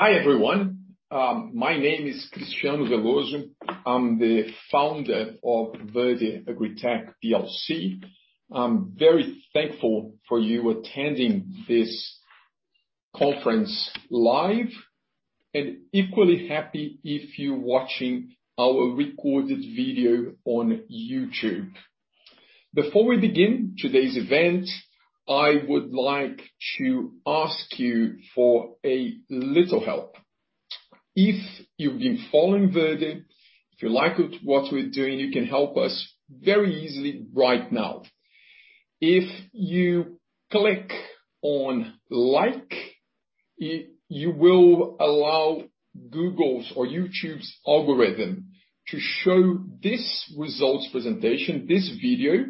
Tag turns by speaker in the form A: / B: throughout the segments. A: Hi, everyone. My name is Cristiano Veloso. I'm the founder of Verde AgriTech PLC. I'm very thankful for you attending this conference live, and equally happy if you're watching our recorded video on YouTube. Before we begin today's event, I would like to ask you for a little help. If you've been following Verde, if you like what we're doing, you can help us very easily right now. If you click on Like, you will allow Google's or YouTube's algorithm to show this results presentation, this video,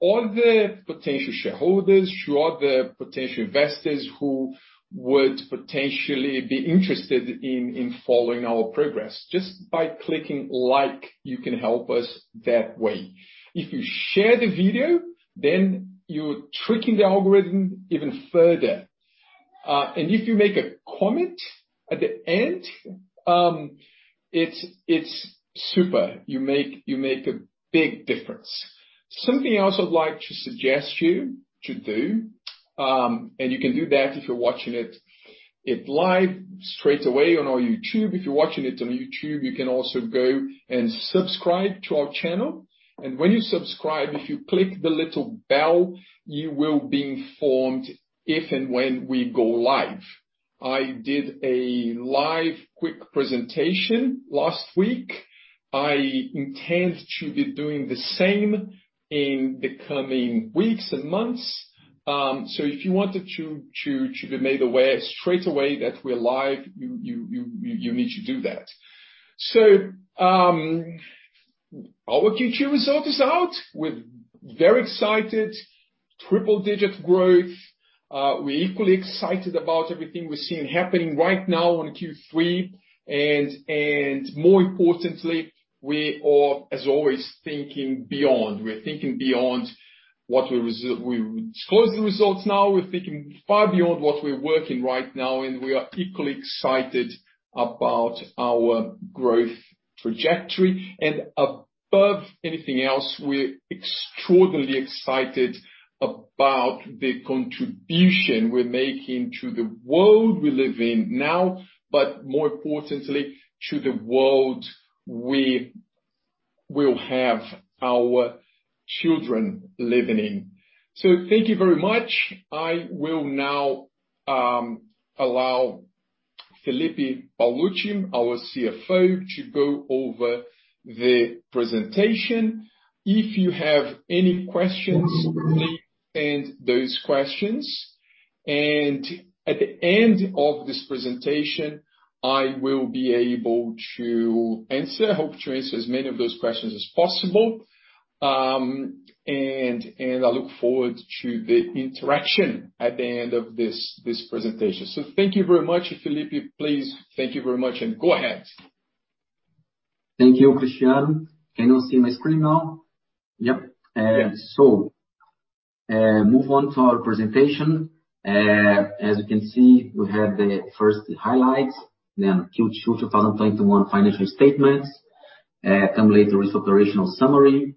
A: to all the potential shareholders, to all the potential investors who would potentially be interested in following our progress. Just by clicking Like, you can help us that way. If you share the video, you're tricking the algorithm even further. If you make a comment at the end, it's super. You make a big difference. Something I also like to suggest you to do, and you can do that if you're watching it live straight away on our YouTube. If you're watching it on YouTube, you can also go and subscribe to our channel. When you subscribe, if you click the little bell, you will be informed if and when we go live. I did a live quick presentation last week. I intend to be doing the same in the coming weeks and months. If you wanted to be made aware straight away that we're live, you need to do that. Our Q2 result is out. We're very excited. Triple-digit growth. We're equally excited about everything we're seeing happening right now in Q3. More importantly, we are, as always, thinking beyond. We're thinking beyond what we disclose the results now. We're thinking far beyond what we're working right now, and we are equally excited about our growth trajectory. Above anything else, we're extraordinarily excited about the contribution we're making to the world we live in now, but more importantly, to the world we will have our children living in. Thank you very much. I will now allow Felipe Paolucci, our Chief Financial Officer, to go over the presentation. If you have any questions, please send those questions, and at the end of this presentation, I will be able to answer, I hope to answer as many of those questions as possible. I look forward to the interaction at the end of this presentation. Thank you very much. Felipe, please. Thank you very much, and go ahead.
B: Thank you, Cristiano. Can you see my screen now? Yep.
A: Yeah.
B: Move on to our presentation. As you can see, we have the first highlights, then Q2 2021 financial statements, cumulated risk operational summary,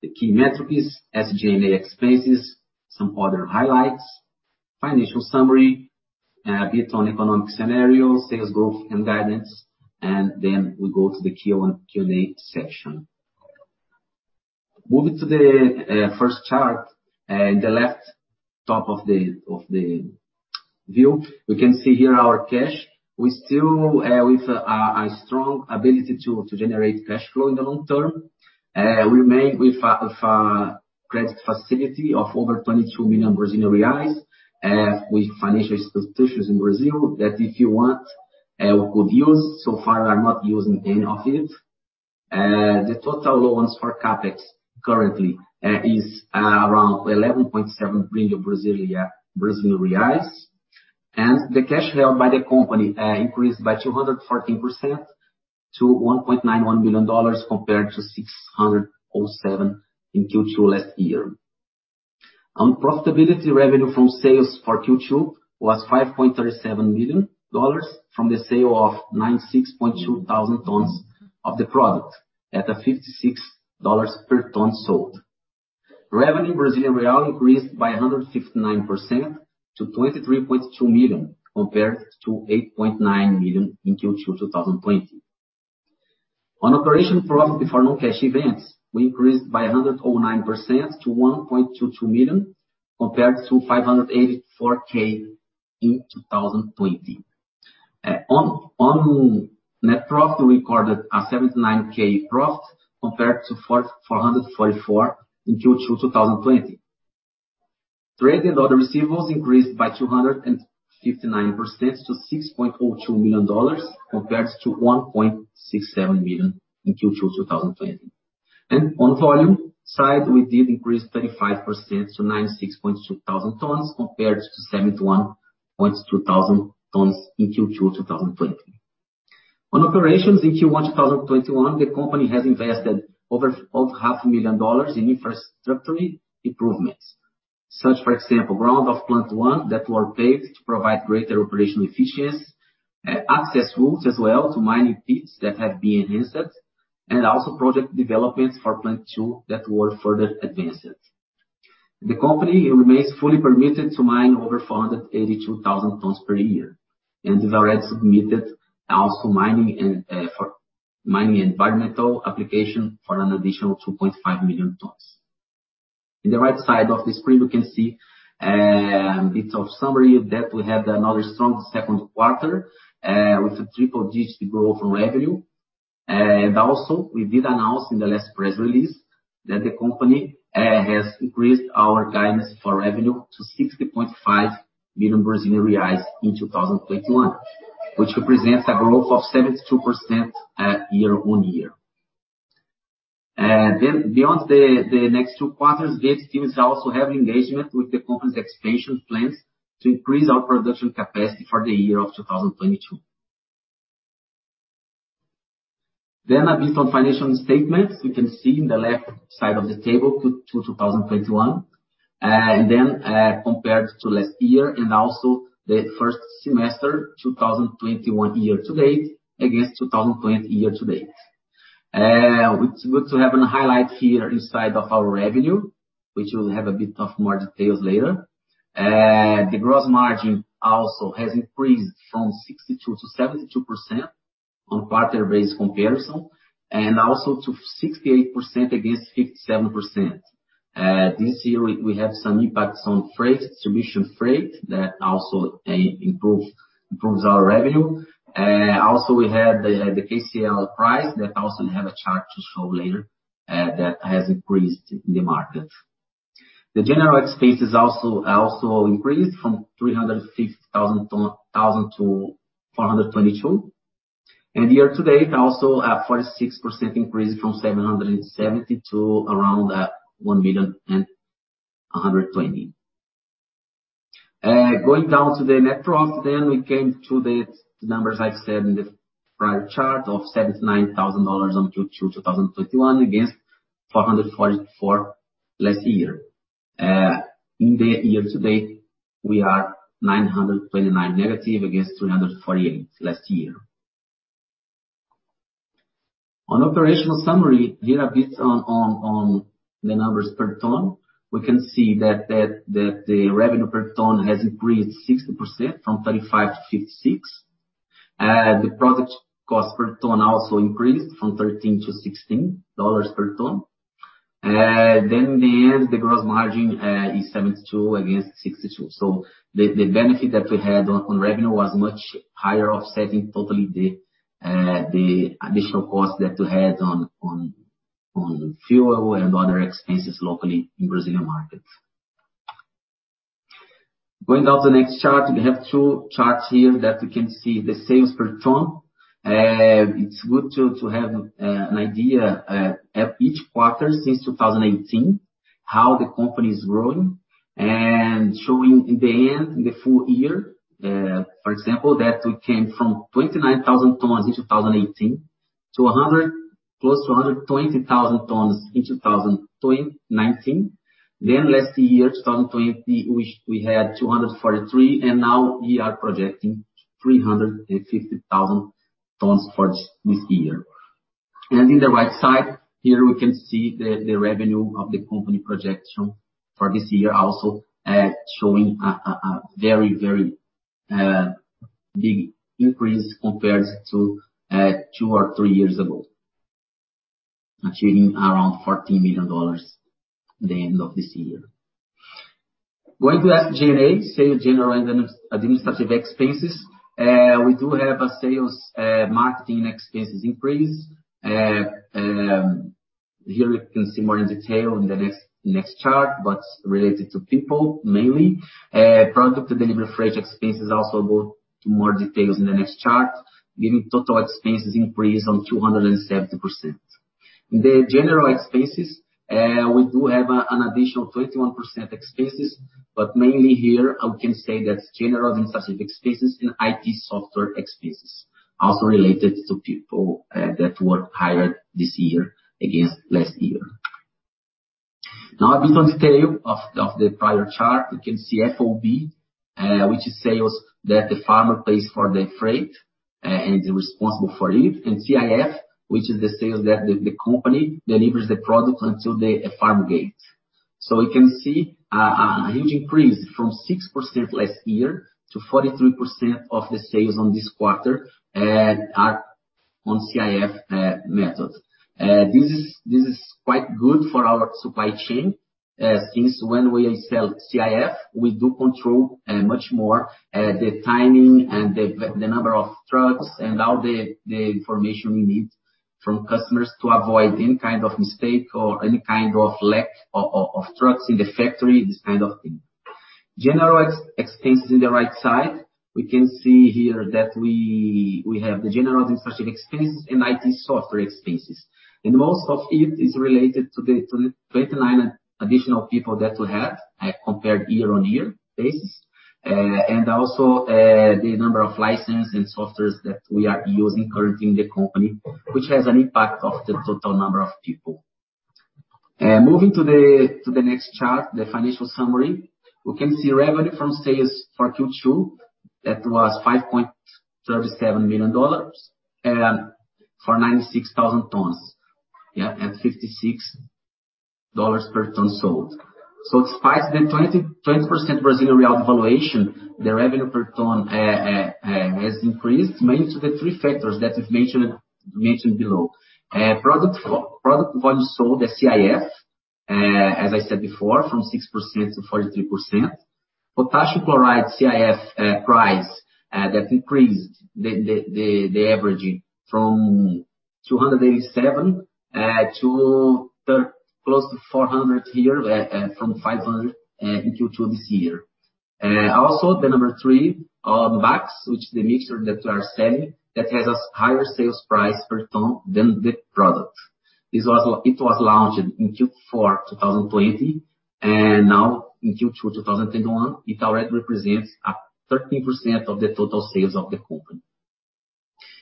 B: the key metrics, SG&A expenses, some other highlights, financial summary, a bit on economic scenario, sales growth and guidance, we go to the Q&A section. Moving to the first chart, in the left top of the view, we can see here our cash. We still have a strong ability to generate cash flow in the long term. We made with a credit facility of over 22 million Brazilian reais, with financial institutions in Brazil that if you want, we could use. So far, we're not using any of it. The total loans for CapEx currently is around 11.7 billion Brazilian reais. The cash held by the company increased by 214% to $1.91 million compared to $607 in Q2 last year. On profitability, revenue from sales for Q2 was $5.37 million from the sale of 96,200 tons of the product at a $56 per ton sold. Revenue in Brazilian real increased by 159% to 23.2 million compared to 8.9 million in Q2 2020. On operating profit before non-cash events, we increased by 109% to $1.22 million compared to $584,000 in 2020. On net profit, we recorded a $79,000 profit compared to $444,000 in Q2 2020. Trade and other receivables increased by 259% to $6.02 million compared to $1.67 million in Q2 2020. On volume side, we did increase 35% to 96,200 tons compared to 71,200 tons in Q2 2020. On operations in Q1 2021, the company has invested over $0.5 million In infrastructural improvements. Such, for example, ground of plant 1 that were paved to provide greater operational efficiency, access routes as well to mining pits that have been enhanced, also project developments for Plant 2 that were further advanced. The company remains fully permitted to mine over 482,000 tons per year and have already submitted also mining and environmental application for an additional 2.5 million tons. In the right side of the screen, you can see a bit of summary that we had another strong second quarter, with a triple digit growth on revenue. Also we did announce in the last press release that the company has increased our guidance for revenue to 60.5 million Brazilian reais in 2021, which represents a growth of 72% year-on-year. Beyond the next two quarters, the team is also having engagement with the company's expansion plans to increase our production capacity for the year of 2022. A bit on financial statements. We can see in the left side of the table Q2 2021, and then, compared to last year, and also the first semester 2021 year to date against 2020 year to date. Which we have an highlight here inside of our revenue, which we'll have a bit of more details later. The gross margin also has increased from 62%-72% on quarter base comparison, and also to 68% against 57%. This year we have some impacts on freight, distribution freight, that also improves our revenue. Also, we had the KCL price that also we have a chart to show later, that has increased in the market. The general expenses also increased from 350,000 to 422,000. Year-to-date also a 46% increase from 770 to around 1,120,000. Going down to the net loss we came to the numbers I said in the prior chart of 79,000 dollars on Q2 2021 against 444 last year. In the year-to-date, we are 929 negative against 348 last year. On operational summary, here a bit on the numbers per ton. We can see that the revenue per ton has increased 60% from $35 to $56. The product cost per ton also increased from $13 to $16 per ton. In the end, the gross margin is 72% against 62%. The benefit that we had on revenue was much higher offsetting totally the additional cost that we had on fuel and other expenses locally in Brazilian markets. Going down to the next chart, we have two charts here that we can see the sales per ton. It's good to have an idea at each quarter since 2018 how the company is growing and showing in the end, in the full year, for example, that we came from 29,000 tons in 2018 to close to 120,000 tons in 2019. Last year, 2020, we had 243,000 tons and now we are projecting 350,000 tons for this year. In the right side, here we can see the revenue of the company projection for this year also, showing a very big increase compared to two or three years ago. Achieving around $14 million the end of this year. Going to SG&A, sales general and administrative expenses. We do have a sales marketing expenses increase. Here we can see more in detail in the next chart what's related to people mainly. Product delivery freight expenses also go to more details in the next chart, giving total expenses increase on 270%. In the general expenses, we do have an additional 21% expenses, but mainly here I can say that's general and administrative expenses and IT software expenses also related to people that were hired this year against last year. A bit on scale of the prior chart, we can see FOB, which is sales that the farmer pays for the freight and is responsible for it, and CIF, which is the sales that the company delivers the product until the farm gate. We can see a huge increase from 6% last year to 43% of the sales on this quarter are on CIF method. This is quite good for our supply chain, since when we sell CIF, we do control much more the timing and the number of trucks and all the information we need from customers to avoid any kind of mistake or any kind of lack of trucks in the factory, this kind of thing. General expenses in the right side. We can see here that we have the general and administrative expenses and IT software expenses. Most of it is related to the 29 additional people that we have compared year-on-year basis, and also the number of license and softwares that we are using currently in the company, which has an impact of the total number of people. Moving to the next chart, the financial summary. We can see revenue from sales for Q2, that was $5.37 million, and for 96,000 tons at $56 per ton sold. Despite the 20% Brazilian real valuation, the revenue per ton has increased mainly to the three factors that we've mentioned below. Product volume sold at CIF, as I said before, from 6%-43%. Potassium chloride CIF price that increased the averaging from $287 to close to $400 here, from 500 in Q2 this year. The number three, BAKS, which the mixture that we are selling, that has a higher sales price per ton than the product. It was launched in Q4 2020, and now in Q2 2021, it already represents a 13% of the total sales of the company.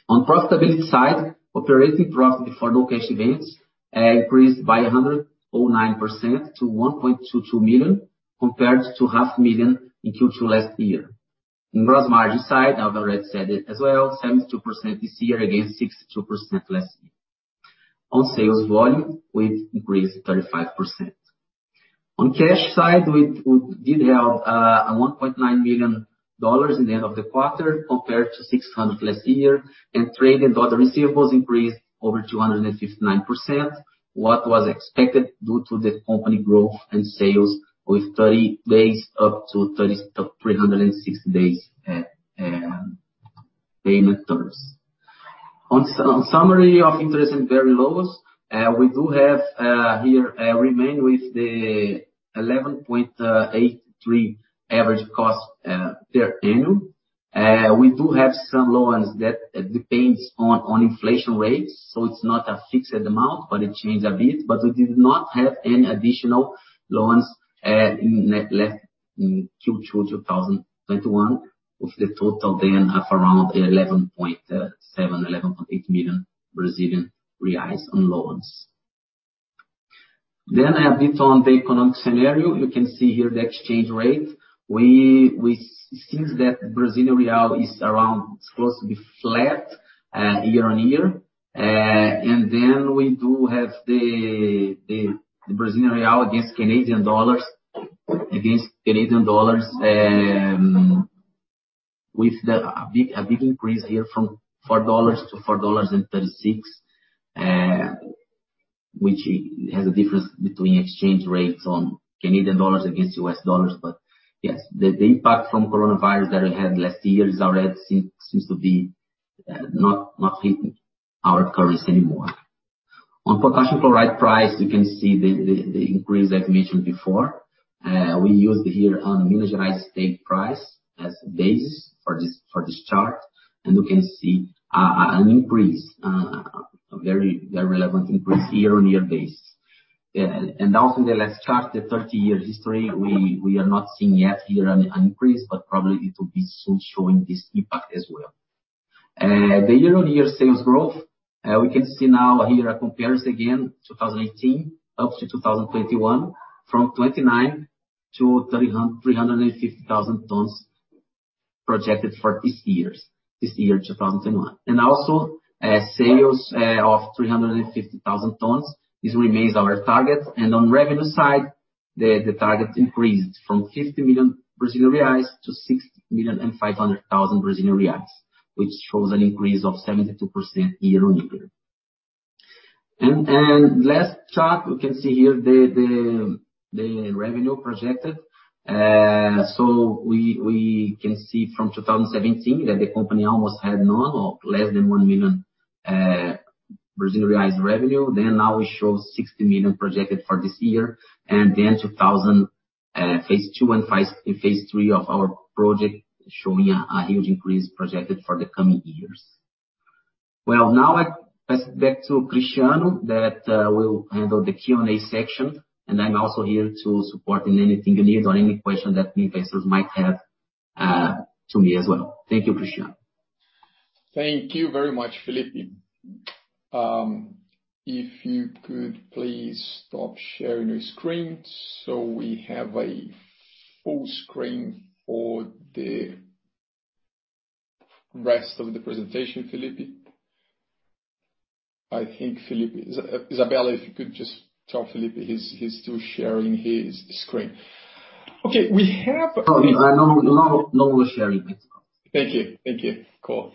B: On profitability side, operating profit before low cash events increased by 109% to $1.22 million, compared to $0.5 million In Q2 last year. In gross margin side, I've already said it as well, 72% this year against 62% last year. On sales volume, we increased 35%. On cash side, we did have $1.9 million at the end of the quarter compared to $0.6 million last year, and trade and other receivables increased over 259%, what was expected due to the company growth and sales with 30 days up to 360 days payment terms. On summary of interest and loans, we do have here remain with the 11.83% average cost per annum. We do have some loans that depends on inflation rates, so it's not a fixed amount, but it changed a bit, but we did not have any additional loans left in Q2 2021, with the total then of around BRL 11.7 million-BRL 11.8 million on loans. I have data on the economic scenario. You can see here the exchange rate. We see that Brazilian Real is around supposed to be flat year-on-year. We do have the Brazilian real against Canadian dollars, with a big increase here from 4 dollars to 4.36 dollars, which has a difference between exchange rates on Canadian dollars against US dollars. The impact from coronavirus that we had last year already seems to be not hitting our currency anymore. On Potassium chloride price, you can see the increase that I mentioned before. We used here on Minas Gerais state price as a basis for this chart, you can see an increase, a very relevant increase year-on-year base. The last chart, the 30-year history, we are not seeing yet here an increase, probably it will be soon showing this impact as well. The year-on-year sales growth, we can see now here a comparison again, 2018 up to 2021, from 29,000 tons to 350,000 tons projected for this year, 2021. Sales of 350,000 tons, this remains our target. On revenue side, the target increased from 50 million Brazilian reais to 60,500,000 Brazilian reais, which shows an increase of 72% year-on-year. Last chart, we can see here the revenue projected. We can see from 2017 that the company almost had none or less than 1 million Brazilian reais revenue. Now we show 60 million projected for this year, phase 2 and phase 3 of our project showing a huge increase projected for the coming years. Now I pass it back to Cristiano that will handle the Q&A section, and I'm also here to support in anything you need or any question that the investors might have to me as well. Thank you, Cristiano.
A: Thank you very much, Felipe. If you could please stop sharing your screen so we have a full screen for the rest of the presentation, Felipe. Isabella, if you could just tell Felipe he's still sharing his screen.
B: No more sharing.
A: Thank you. Cool.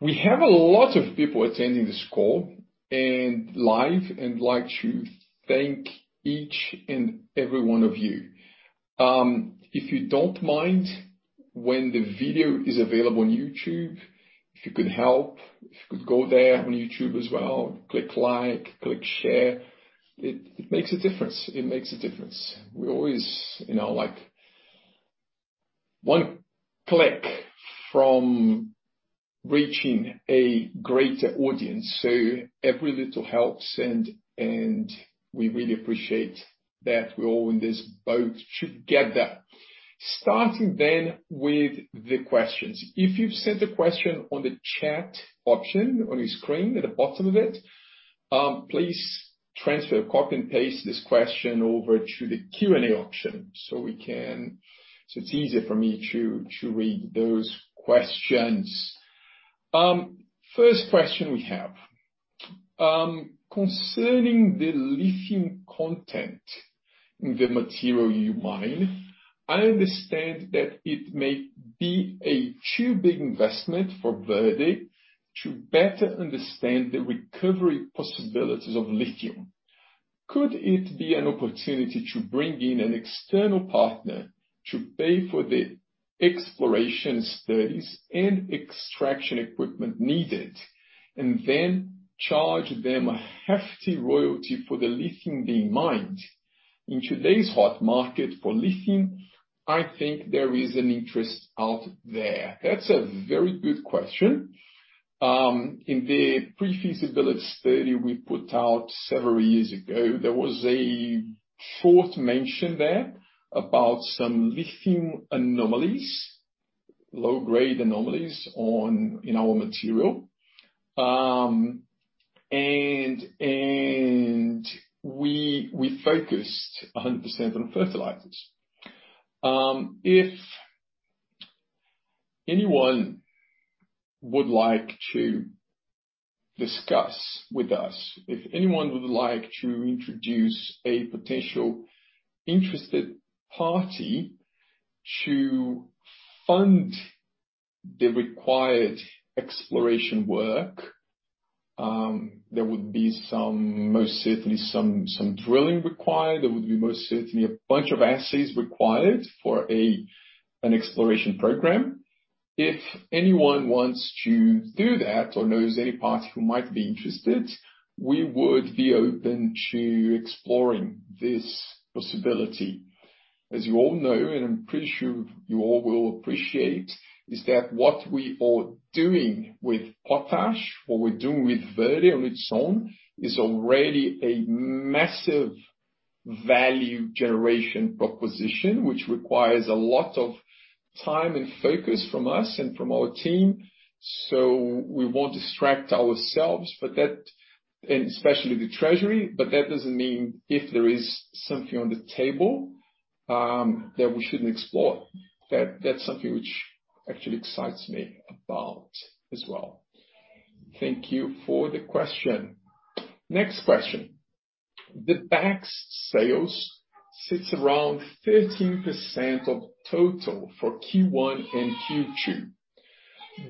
A: We have a lot of people attending this call and live and like to thank each and every one of you. If you don't mind, when the video is available on YouTube, if you could help, if you could go there on YouTube as well, click like, click share. It makes a difference. We always like one click from reaching a greater audience, so every little helps and we really appreciate that we're all in this boat together. Starting then with the questions. If you've sent a question on the chat option on your screen, at the bottom of it, please transfer, copy and paste this question over to the Q&A option, so it's easier for me to read those questions. First question we have. Concerning the lithium content in the material you mine, I understand that it may be a too big investment for Verde to better understand the recovery possibilities of lithium. Could it be an opportunity to bring in an external partner to pay for the exploration studies and extraction equipment needed, and then charge them a hefty royalty for the lithium being mined? In today's hot market for lithium, I think there is an interest out there. That's a very good question. In the pre-feasibility study we put out several years ago, there was a fourth mention there about some lithium anomalies, low grade anomalies in our material. We focused 100% on fertilizers. If anyone would like to discuss with us, if anyone would like to introduce a potential interested party to fund the required exploration work, there would be most certainly some drilling required, there would be most certainly a bunch of assays required for an exploration program. If anyone wants to do that or knows any party who might be interested, we would be open to exploring this possibility. As you all know, and I'm pretty sure you all will appreciate, is that what we are doing with potash, what we're doing with Verde on its own, is already a massive value generation proposition, which requires a lot of time and focus from us and from our team. We won't distract ourselves for that, and especially the treasury, but that doesn't mean if there is something on the table, that we shouldn't explore. That's something which actually excites me about as well. Thank you for the question. Next question. The BAKS sales sits around 13% of total for Q1 and Q2.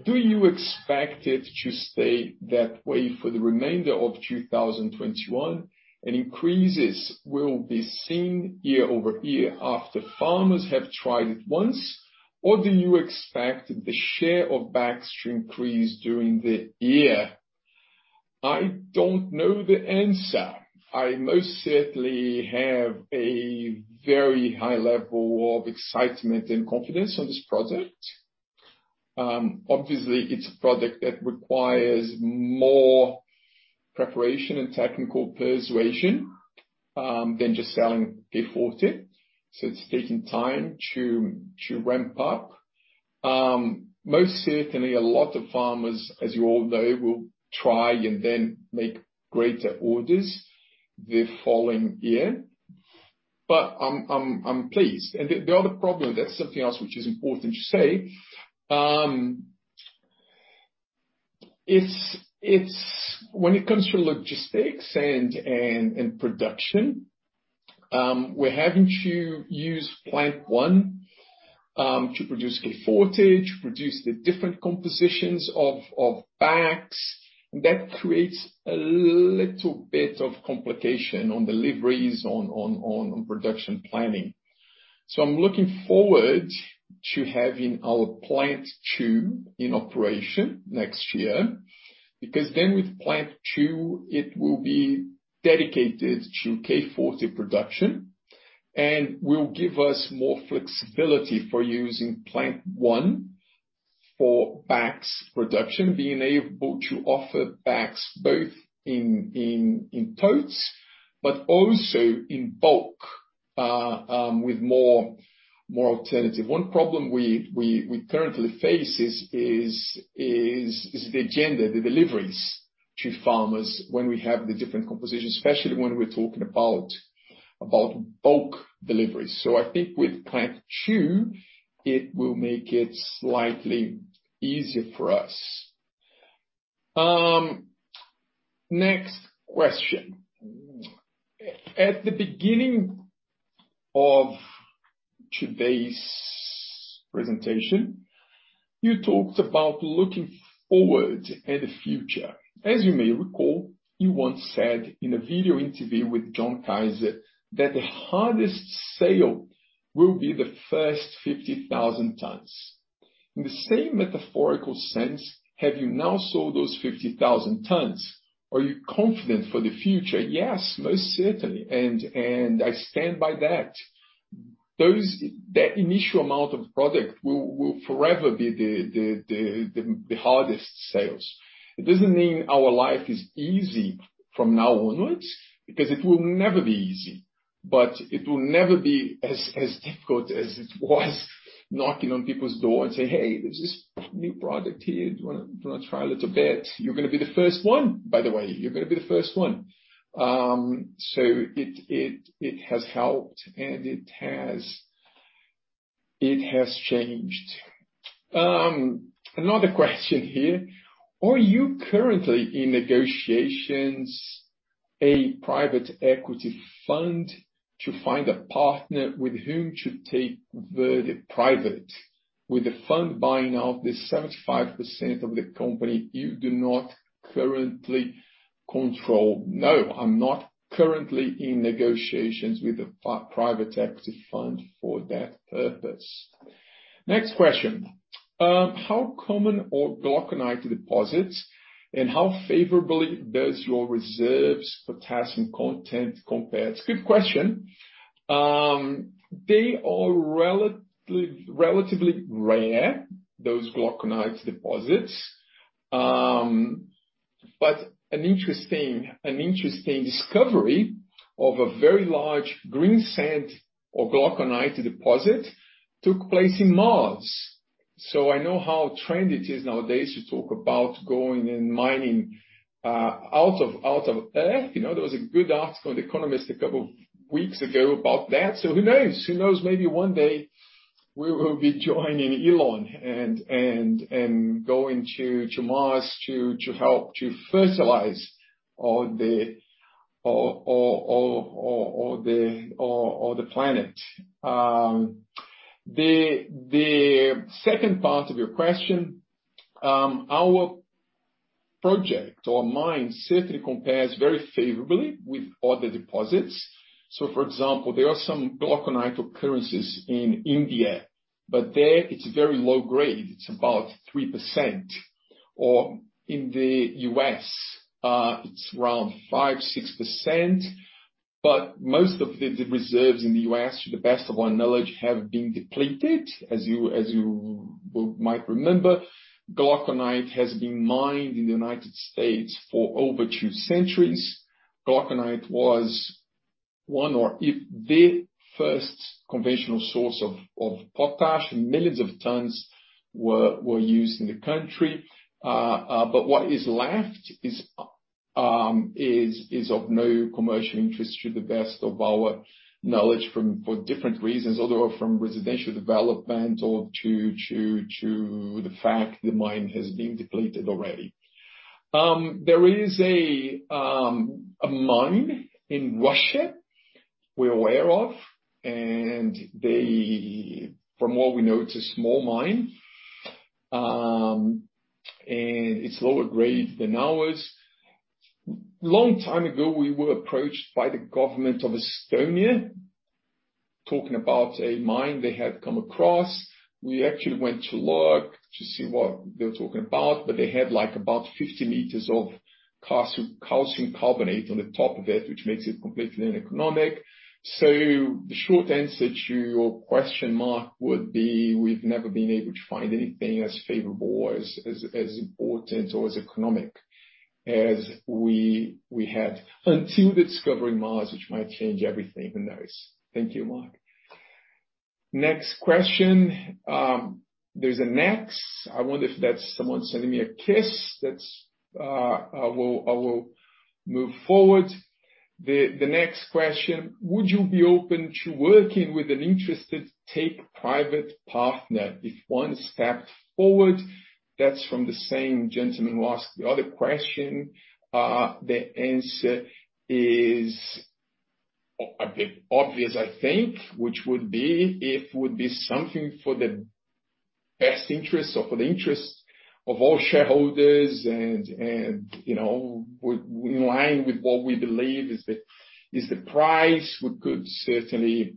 A: Do you expect it to stay that way for the remainder of 2021 and increases will be seen year-over-year after farmers have tried it once? Or do you expect the share of BAKS to increase during the year? I don't know the answer. I most certainly have a very high level of excitement and confidence on this product. Obviously, it's a product that requires more preparation and technical persuasion than just selling K Forte. It's taking time to ramp up. Most certainly a lot of farmers, as you all know, will try and then make greater orders the following year. I'm pleased. The other problem, that's something else which is important to say, when it comes to logistics and production, we're having to use plant 1 to produce K Forte, to produce the different compositions of BAKS. That creates a little bit of complication on deliveries, on production planning. I'm looking forward to having our Plant 2 in operation next year, because then with Plant 2, it will be dedicated to K Forte production and will give us more flexibility for using Plant 1 for BAKS production. Being able to offer BAKS both in totes but also in bulk, with more alternative. One problem we currently face is the geada, the deliveries to farmers when we have the different compositions, especially when we're talking about bulk deliveries. I think with Plant 2, it will make it slightly easier for us. Next question. At the beginning of today's presentation, you talked about looking forward at the future. As you may recall, you once said in a video interview with John Kaiser that the hardest sale will be the first 50,000 tons. In the same metaphorical sense, have you now sold those 50,000 tons? Are you confident for the future? Yes, most certainly. I stand by that. That initial amount of product will forever be the hardest sale. It doesn't mean our life is easy from now onwards, because it will never be easy, but it will never be as difficult as it was knocking on people's door and say, hey, there's this new product here. Do you want to try a little bit? You're going to be the first one, by the way. You're going to be the first one. It has helped, and it has changed. Another question here. Are you currently in negotiations, a private equity fund to find a partner with whom to take Verde private with the fund buying out the 75% of the company you do not currently control? No, I'm not currently in negotiations with a private equity fund for that purpose. Next question. How common are glauconite deposits, and how favorably does your reserves potassium content compare? It's a good question. They are relatively rare, those glauconite deposits. An interesting discovery of a very large green sand or glauconite deposit took place in Mars. I know how trendy it is nowadays to talk about going and mining out of Earth. There was a good article in The Economist a couple of weeks ago about that. Who knows? Who knows, maybe one day we will be joining Elon and going to Mars to help to fertilize all the planet. The second part of your question. Our project or mine certainly compares very favorably with other deposits. For example, there are some glauconite occurrences in India, but there it's very low grade. It's about 3%. In the U.S., it's around 5%, 6%, but most of the reserves in the U.S., to the best of our knowledge, have been depleted. As you might remember, glauconite has been mined in the United States for over two centuries. Glauconite was one or the first conventional source of potash, and millions of tons were used in the country. What is left is of no commercial interest to the best of our knowledge for different reasons, although from residential development or to the fact the mine has been depleted already. There is a mine in Russia we're aware of, and from what we know, it's a small mine. It's lower grade than ours. Long time ago, we were approached by the government of Estonia talking about a mine they had come across. We actually went to look to see what they were talking about, they had about 50 m of calcium carbonate on the top of it, which makes it completely uneconomic. The short answer to your question, Mark, would be we've never been able to find anything as favorable or as important or as economic as we had until the discovery in Mars, which might change everything, who knows. Thank you, Mark. Next question. There's an X. I wonder if that's someone sending me a kiss. I will move forward. The next question. Would you be open to working with an interested take-private partner if one stepped forward? That's from the same gentleman who asked the other question. The answer is a bit obvious, I think, which would be, if would be something for the best interest or for the interest of all shareholders and in line with what we believe is the price, we could certainly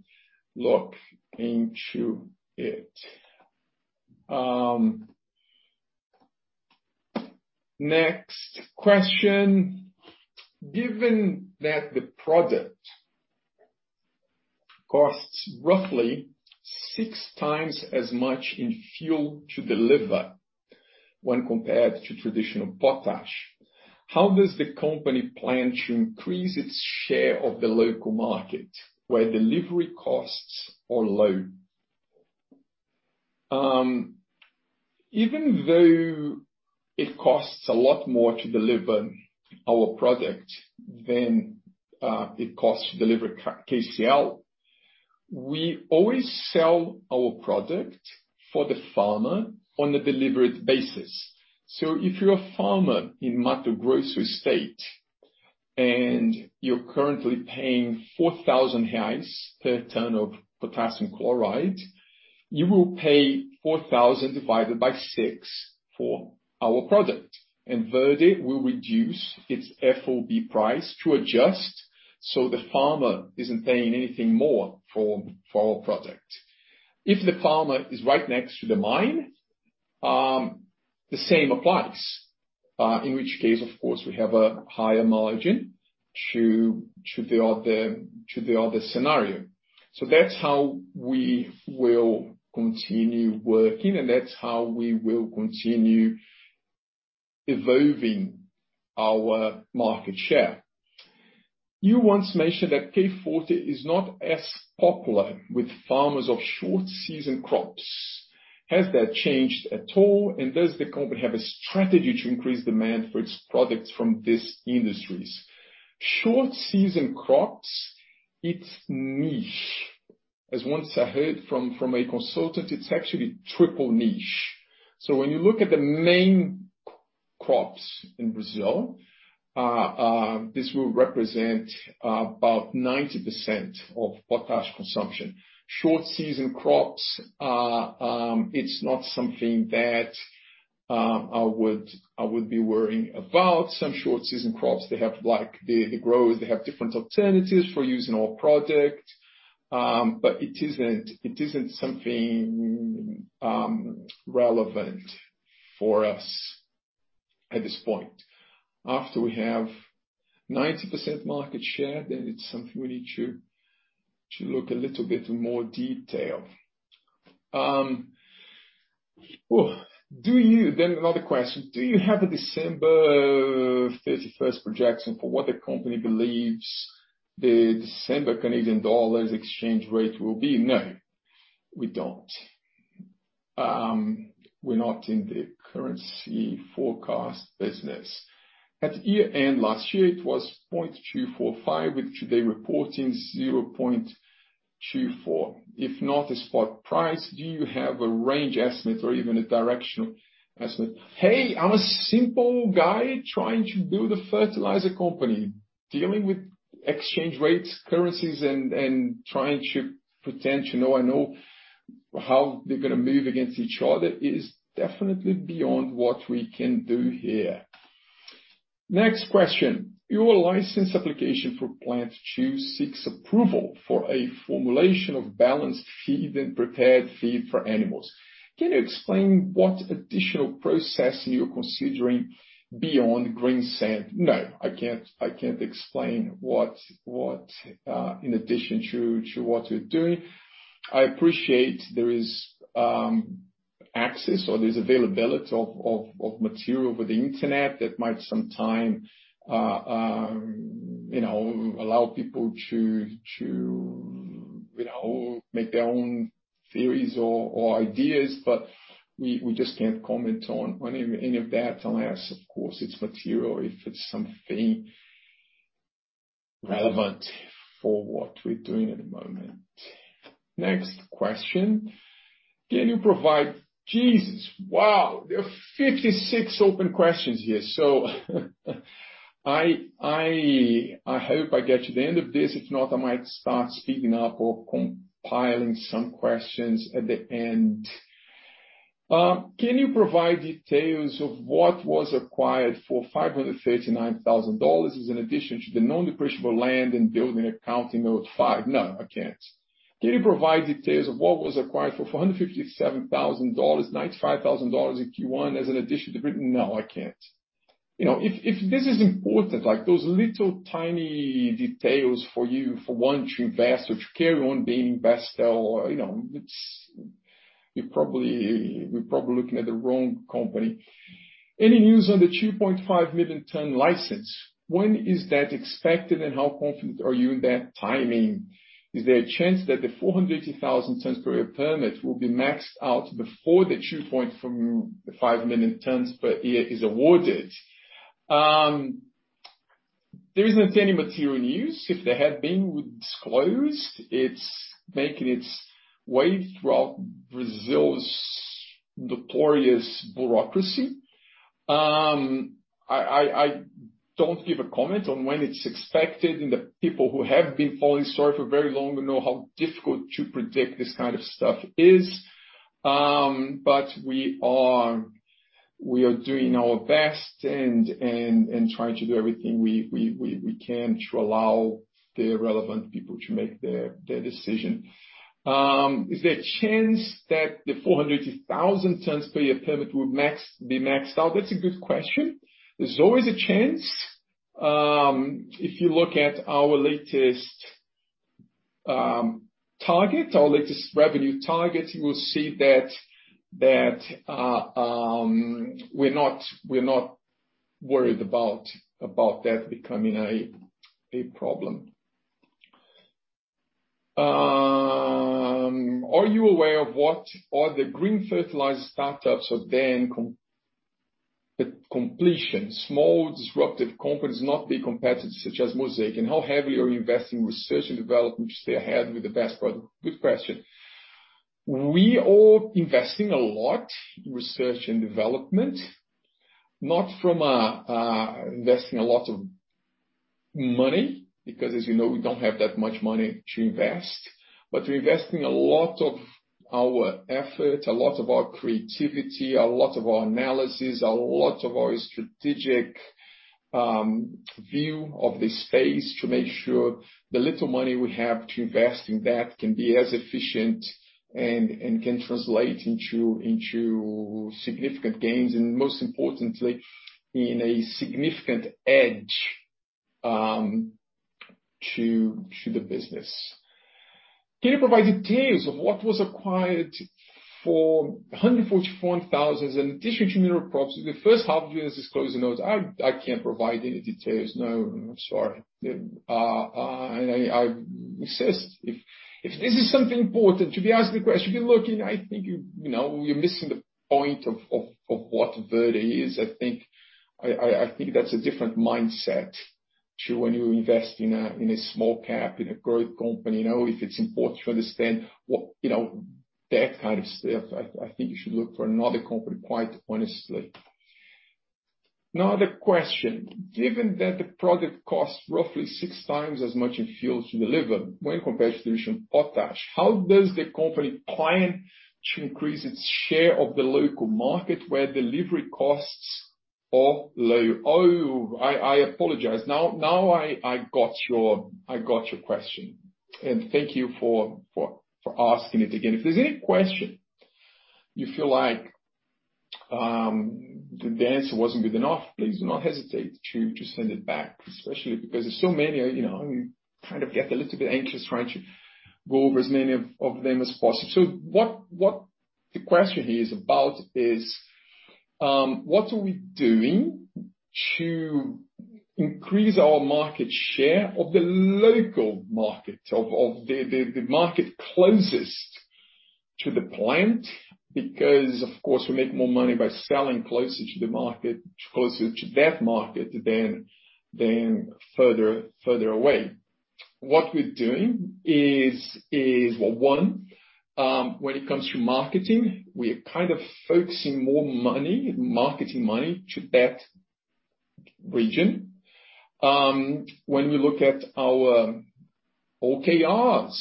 A: look into it. Next question. Given that the product costs roughly 6x as much in fuel to deliver when compared to traditional potash, how does the company plan to increase its share of the local market where delivery costs are low? Even though it costs a lot more to deliver our product than it costs to deliver KCl, we always sell our product for the farmer on a delivered basis. If you're a farmer in Mato Grosso State and you're currently paying 4,000 reais per ton of potassium chloride, you will pay 4,000 divided by six for our product. Verde will reduce its FOB price to adjust, so the farmer isn't paying anything more for our product. If the farmer is right next to the mine, the same applies. In which case, of course, we have a higher margin to the other scenario. That's how we will continue working, and that's how we will continue evolving our market share. You once mentioned that K Forte is not as popular with farmers of short-season crops. Has that changed at all, and does the company have a strategy to increase demand for its products from these industries? Short season crops, it's niche. As once I heard from a consultant, it's actually triple niche. When you look at the main crops in Brazil, this will represent about 90% of potash consumption. Short-season crops are, it's not something that I would be worrying about. Some short-season crops, they grow, they have different alternatives for using our product. It isn't something relevant for us at this point. After we have 90% market share, then it's something we need to look a little bit more detail. Another question. Do you have a December 31st projection for what the company believes the December Canadian dollar's exchange rate will be? No, we don't. We're not in the currency forecast business. At year-end last year, it was 0.245, with today reporting 0.24. If not a spot price, do you have a range estimate or even a directional estimate? Hey, I'm a simple guy trying to build a fertilizer company. Dealing with exchange rates, currencies, and trying to pretend to know how they're going to move against each other is definitely beyond what we can do here. Next question. Your license application for Plant 2 seeks approval for a formulation of balanced feed and prepared feed for animals. Can you explain what additional processing you're considering beyond green sand? No, I can't explain what, in addition to what we're doing. I appreciate there is access or there's availability of material over the internet that might sometime allow people to make their own theories or ideas. We just can't comment on any of that unless, of course, it's material, if it's something relevant for what we're doing at the moment. Next question. Jesus, wow, there are 56 open questions here. I hope I get to the end of this. If not, I might start speeding up or compiling some questions at the end. Can you provide details of what was acquired for $539,000 as an addition to the non-depreciable land and building at accounting note five? No, I can't. Can you provide details of what was acquired for $457,000, $95,000 in Q1? No, I can't. If this is important, like those little tiny details for you, for one to invest or if you care your own being invest, you're probably looking at the wrong company. Any news on the 2.5 million ton license? When is that expected, and how confident are you in that timing? Is there a chance that the 480,000 tons per year permit will be maxed out before the 2.5 million tons per year is awarded? There isn't any material news. If there had been, we'd disclose. It's making its way throughout Brazil's notorious bureaucracy. I don't give a comment on when it's expected. The people who have been following the story for very long know how difficult to predict this kind of stuff is. We are doing our best and trying to do everything we can to allow the relevant people to make their decision. Is there a chance that the 480,000 tons per year permit will be maxed out? That's a good question. There's always a chance. If you look at our latest target, our latest revenue target, you will see that we're not worried about that becoming a big problem. Are you aware of what other green fertilizer startups are then completion? Small disruptive companies, not big competitors such as Mosaic, and how heavily are you investing in research and development to stay ahead with the best product? Good question. We are investing a lot in research and development. Not from investing a lot of money, because as you know, we don't have that much money to invest. We're investing a lot of our effort, a lot of our creativity, a lot of our analysis, a lot of our strategic view of the space to make sure the little money we have to invest in that can be as efficient and can translate into significant gains, and most importantly, in a significant edge to the business. Can you provide details of what was acquired for $144,000 in addition to mineral properties in the first half of the year as disclosed in the notes? I can't provide any details. No, I'm sorry. I insist, if this is something important to be asking the question, if you're looking, I think you're missing the point of what Verde is. I think that's a different mindset to when you invest in a small cap, in a growth company. If it's important to understand that kind of stuff, I think you should look for another company, quite honestly. Another question. Given that the product costs roughly 6x as much in fuel to deliver when compared to traditional potash, how does the company plan to increase its share of the local market where delivery costs are low? Oh, I apologize. Now I got your question. Thank you for asking it again. If there's any question you feel like the answer wasn't good enough, please do not hesitate to send it back, especially because there's so many, I kind of get a little bit anxious trying to go over as many of them as possible. What the question here is about is, what are we doing to increase our market share of the local market, of the market closest to the plant? Because of course, we make more money by selling closer to that market than further away. What we're doing is, one, when it comes to marketing, we're kind of focusing more money, marketing money, to that region. When we look at our OKRs,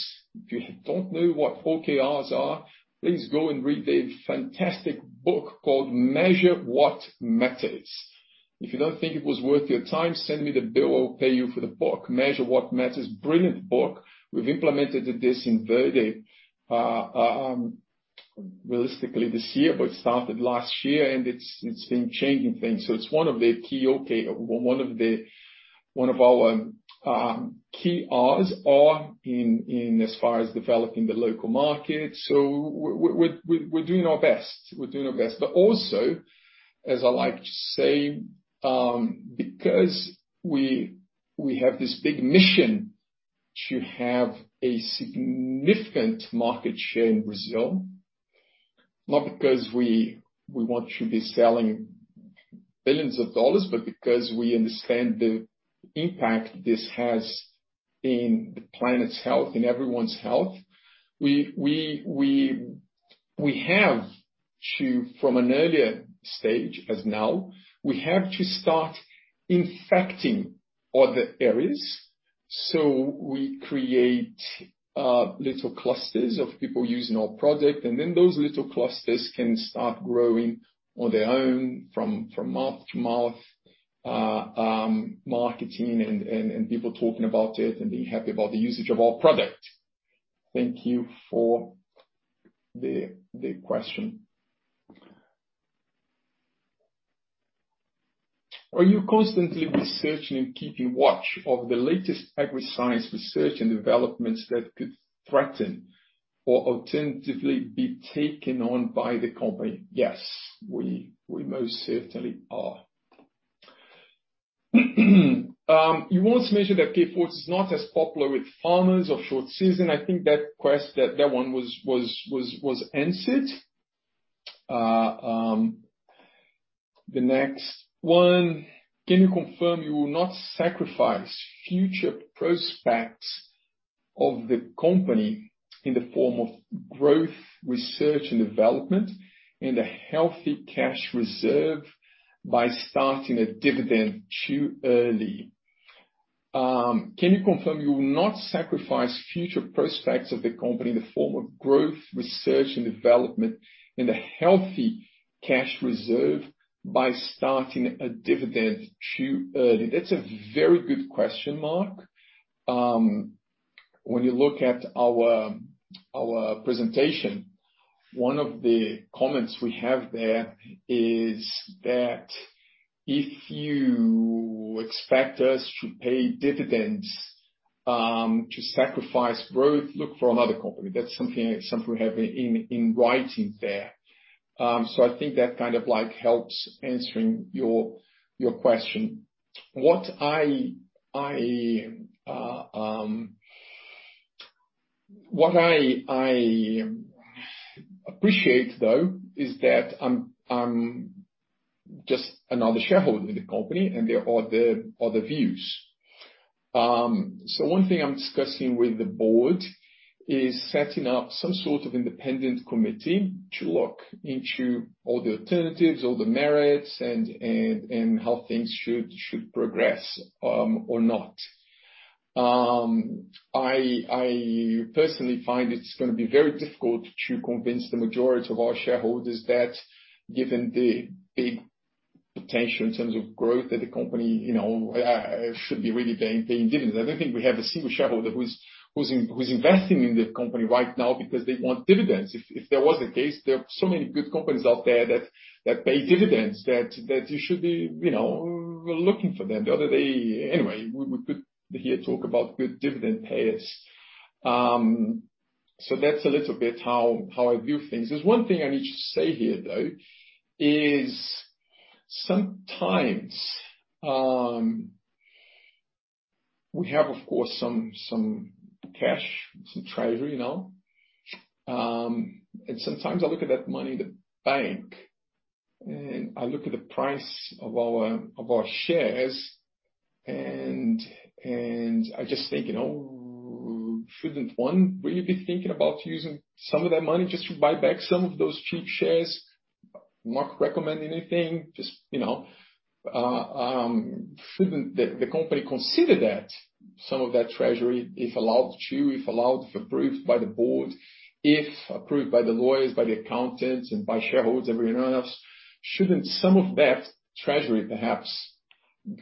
A: if you don't know what OKRs are, please go and read the fantastic book called Measure What Matters. If you don't think it was worth your time, send me the bill, I'll pay you for the book. Measure What Matters, brilliant book. We've implemented this in Verde, realistically this year, but it started last year and it's been changing things. It's one of our OKRs are in as far as developing the local market. We're doing our best. Also, as I like to say, because we have this big mission to have a significant market share in Brazil, not because we want to be selling billions of dollars, but because we understand the impact this has in the planet's health and everyone's health. We have to, from an earlier stage as now, we have to start infecting other areas. We create little clusters of people using our product, and then those little clusters can start growing on their own from mouth-to-mouth, marketing and people talking about it and being happy about the usage of our product. Thank you for the question. Are you constantly researching and keeping watch of the latest agri-science research and developments that could threaten or alternatively be taken on by the company? Yes, we most certainly are. You once mentioned that K Forte is not as popular with farmers of short season. I think that one was answered. The next one, can you confirm you will not sacrifice future prospects of the company in the form of growth, research, and development, and a healthy cash reserve by starting a dividend too early? Can you confirm you will not sacrifice future prospects of the company in the form of growth, research, and development, and a healthy cash reserve by starting a dividend too early? That's a very good question, Mark. When you look at our presentation, one of the comments we have there is that if you expect us to pay dividends, to sacrifice growth, look for another company. That's something we have in writing there. I think that kind of helps answering your question. What I appreciate, though, is that I'm just another shareholder in the company, and there are other views. One thing I'm discussing with the board is setting up some sort of independent committee to look into all the alternatives, all the merits, and how things should progress or not. I personally find it's going to be very difficult to convince the majority of our shareholders that given the big potential in terms of growth that the company should be really paying dividends. I don't think we have a single shareholder who's investing in the company right now because they want dividends. If that was the case, there are so many good companies out there that pay dividends that you should be looking for them. The other day. Anyway, we could be here talk about good dividend payers. That's a little bit how I view things. There's one thing I need to say here, though, is sometimes we have, of course, some cash, some treasury now. Sometimes I look at that money in the bank, and I look at the price of our shares, and I just think, shouldn't one really be thinking about using some of that money just to buy back some of those cheap shares? Not recommending anything, just shouldn't the company consider that some of that treasury, if allowed to, if allowed, if approved by the board, if approved by the lawyers, by the accountants, and by shareholders, everyone else, shouldn't some of that treasury perhaps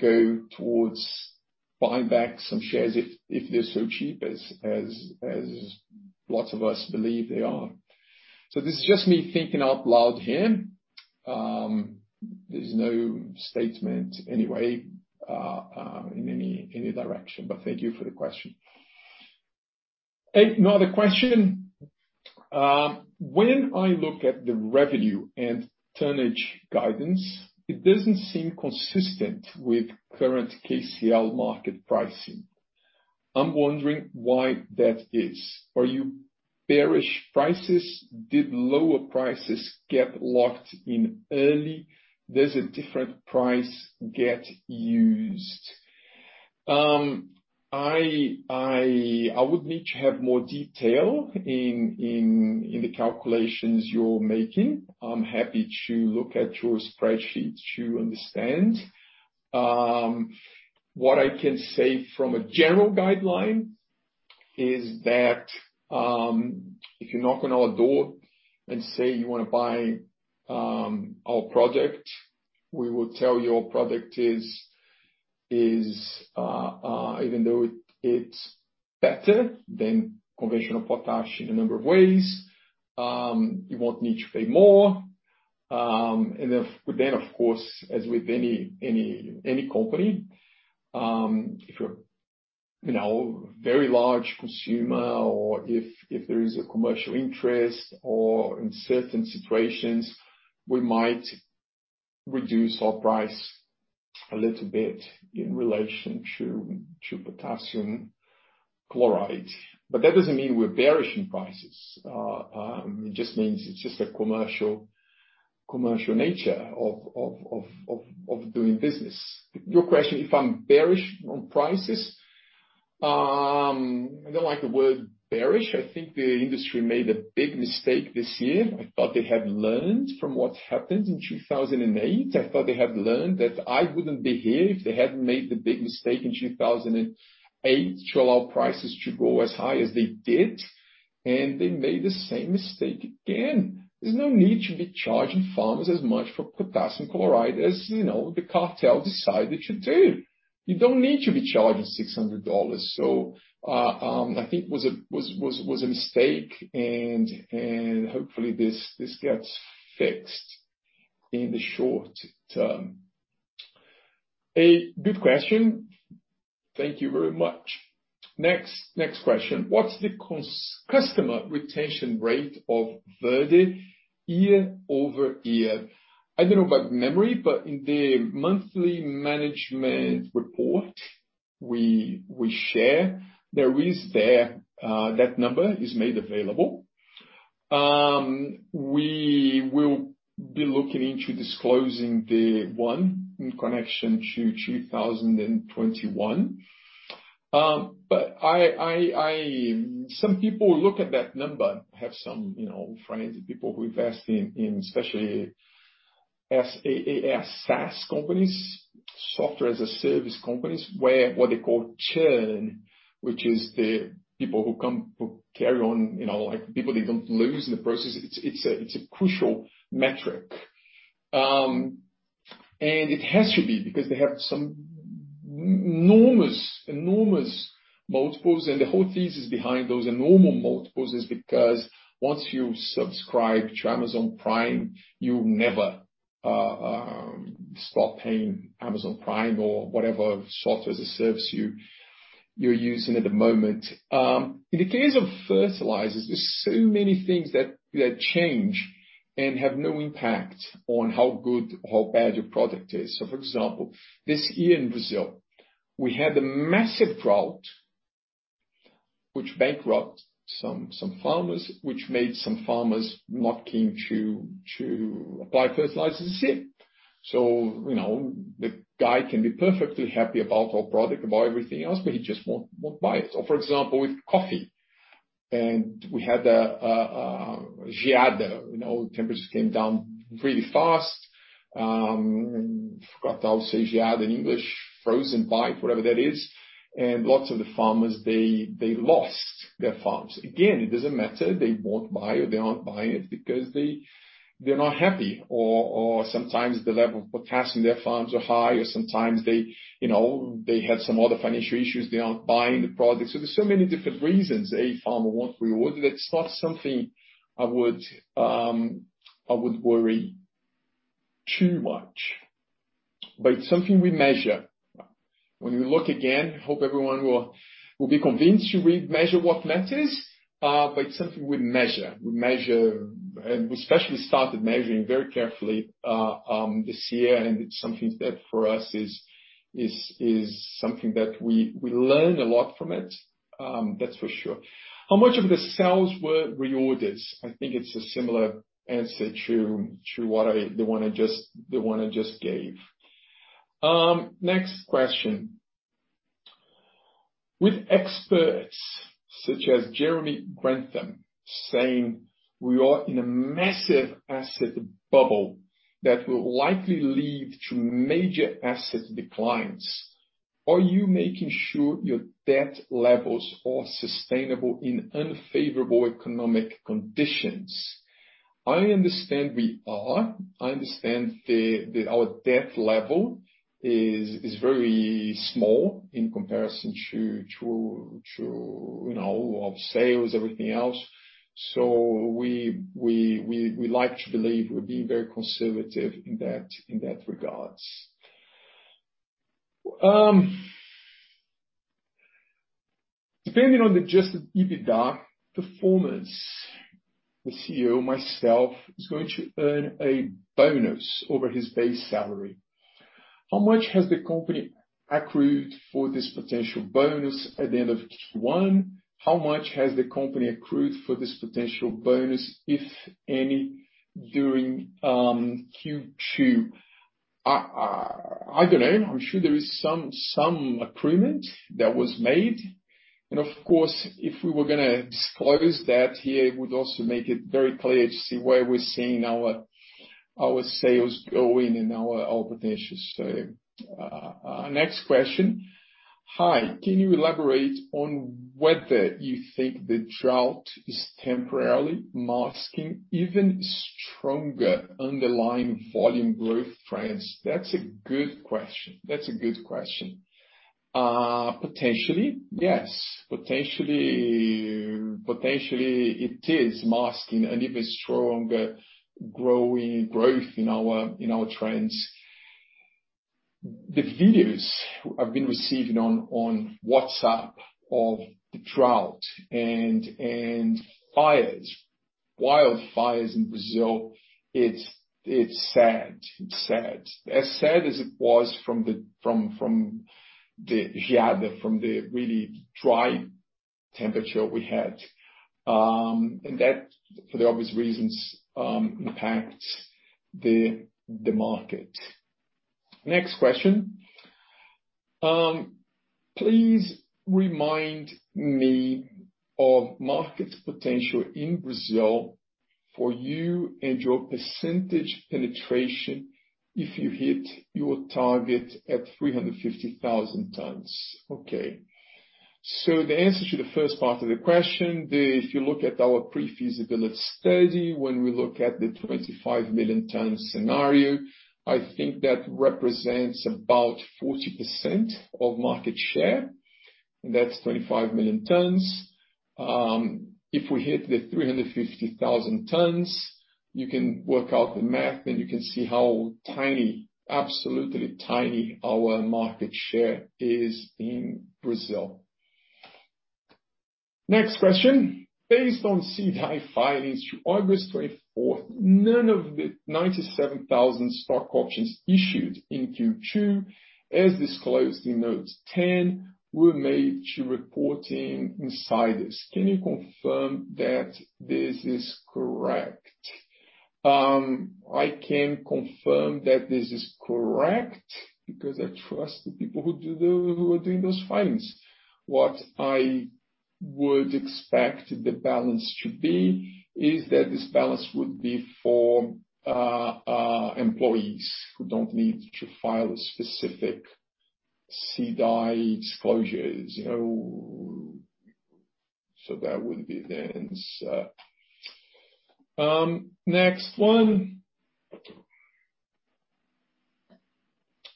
A: go towards buying back some shares if they're so cheap as lots of us believe they are? This is just me thinking out loud here. There's no statement anyway in any direction, but thank you for the question. Another question. When I look at the revenue and tonnage guidance, it doesn't seem consistent with current KCl market pricing. I'm wondering why that is. Are you bearish prices? Did lower prices get locked in early? Does a different price get used? I would need to have more detail in the calculations you're making. I'm happy to look at your spreadsheets to understand. What I can say from a general guideline is that, if you knock on our door and say you want to buy our product, we will tell you our product is even though it's better than conventional potash in a number of ways, you won't need to pay more. Then, of course, as with any company, if you're a very large consumer or if there is a commercial interest or in certain situations, we might reduce our price a little bit in relation to potassium chloride. That doesn't mean we're bearish in prices. It just means it's just a commercial nature of doing business. Your question, if I'm bearish on prices. I don't like the word bearish. I think the industry made a big mistake this year. I thought they had learned from what happened in 2008. I thought they had learned that I wouldn't behave. They hadn't made the big mistake in 2008 to allow prices to go as high as they did, and they made the same mistake again. There's no need to be charging farmers as much for Potassium chloride as the cartel decided to do. You don't need to be charging $600. I think was a mistake, and hopefully this gets fixed in the short term. A good question. Thank you very much. Next question. What's the customer retention rate of Verde year-over-year? I don't know about memory. In the monthly management report we share, that number is made available. We will be looking into disclosing the one in connection to 2021. Some people who look at that number, I have some friends and people who invest in, especially SaaS companies, software as a service companies, where what they call churn, which is the people who come, who carry on, like people they don't lose in the process. It's a crucial metric. It has to be because they have some enormous multiples, and the whole thesis behind those enormous multiples is because once you subscribe to Amazon Prime, you never stop paying Amazon Prime or whatever software as a service you're using at the moment. In the case of fertilizers, there's so many things that change and have no impact on how good or how bad your product is. For example, this year in Brazil, we had a massive drought, which bankrupt some farmers, which made some farmers not keen to apply fertilizers this year. The guy can be perfectly happy about our product, about everything else, but he just won't buy it. For example, with coffee, and we had a geada, temperatures came down really fast. I forgot how to say geada in English. Frozen pipe, whatever that is. Lots of the farmers, they lost their farms. Again, it doesn't matter. They won't buy or they aren't buying it because they're not happy, or sometimes the level of potassium in their farms are high, or sometimes they had some other financial issues, they aren't buying the product. There's so many different reasons a farmer won't reorder. That's not something I would worry too much, but it's something we measure. When we look again, hope everyone will be convinced to read Measure What Matters, but it's something we measure. We measure, and we especially started measuring very carefully this year, and it's something that for us is something that we learn a lot from it, that's for sure. How much of the sales were reorders? I think it's a similar answer to the one I just gave. Next question. With experts such as Jeremy Grantham saying we are in a massive asset bubble that will likely lead to major asset declines, are you making sure your debt levels are sustainable in unfavorable economic conditions? I understand we are. I understand that our debt level is very small in comparison to our sales, everything else. We like to believe we're being very conservative in that regards. Depending on the adjusted EBITDA performance, the Chief Executive Officer, myself, is going to earn a bonus over his base salary. How much has the company accrued for this potential bonus at the end of Q1? How much has the company accrued for this potential bonus, if any, during Q2? I don't know. I'm sure there is some accruement that was made. Of course, if we were going to disclose that here, it would also make it very clear to see where we're seeing our sales going and our potential. Next question. Hi, can you elaborate on whether you think the drought is temporarily masking even stronger underlying volume growth trends? That's a good question. Potentially, yes. Potentially, it is masking an even stronger growth in our trends. The videos I've been receiving on WhatsApp of the drought and wildfires in Brazil, it's sad. As sad as it was from the geada, from the really dry temperature we had. That, for the obvious reasons, impacts the market. Next question. Please remind me of market potential in Brazil for you and your percentage penetration if you hit your target at 350,000 tons. Okay. The answer to the first part of the question, if you look at our pre-feasibility study, when we look at the 25 million tons scenario, I think that represents about 40% of market share, and that's 25 million tons. If we hit the 350,000 tons, you can work out the math, and you can see how tiny, absolutely tiny our market share is in Brazil. Next question. Based on CDI filings through August 24th, none of the 97,000 stock options issued in Q2, as disclosed in notes 10, were made to reporting insiders. Can you confirm that this is correct? I can confirm that this is correct because I trust the people who are doing those filings. What I would expect the balance to be is that this balance would be for employees who don't need to file specific CDI disclosures. That would be the answer. Next one.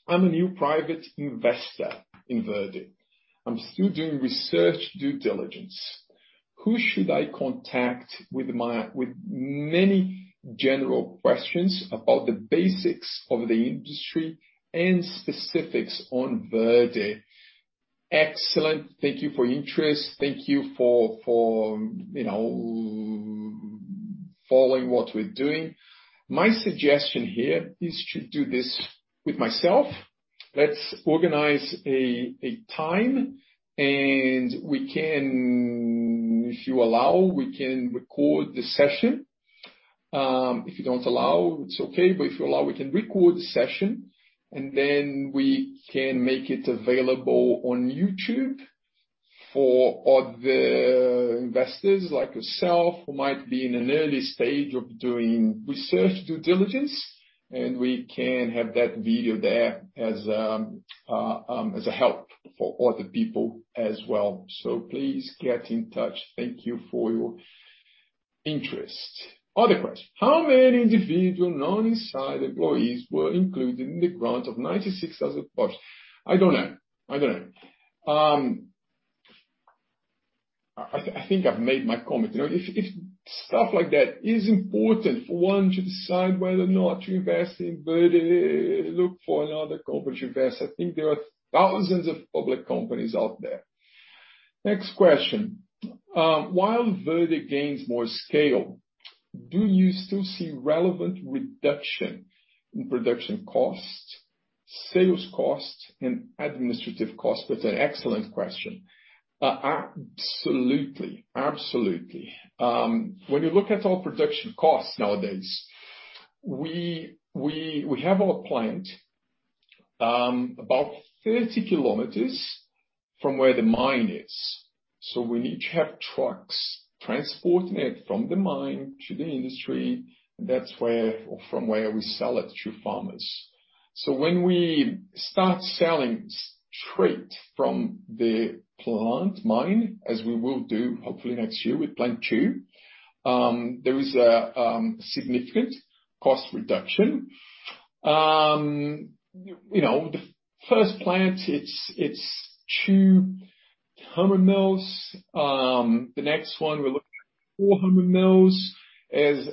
A: I'm a new private investor in Verde. I'm still doing research due diligence. Who should I contact with many general questions about the basics of the industry and specifics on Verde? Excellent. Thank you for your interest. Thank you for following what we're doing. My suggestion here is to do this with myself. Let's organize a time, and if you allow, we can record the session. If you don't allow, it's okay, but if you allow, we can record the session, and then we can make it available on YouTube for other investors like yourself who might be in an early stage of doing research due diligence. We can have that video there as a help for other people as well. Please get in touch. Thank you for your interest. Other question. How many individual non-inside employees were included in the grant of 96,000 options? I don't know. I think I've made my comment. If stuff like that is important for one to decide whether or not to invest in Verde, look for another company to invest. I think there are thousands of public companies out there. Next question. While Verde gains more scale, do you still see relevant reduction in production costs, sales costs, and administrative costs? That's an excellent question. Absolutely. When you look at our production costs nowadays, we have our plant about 30 km from where the mine is. We need to have trucks transporting it from the mine to the industry, and that's where from where we sell it to farmers. When we start selling straight from the plant mine, as we will do hopefully next year with Plant 2, there is a significant cost reduction. The first plant, it's 200 million. The next one, we're looking at 400 million. As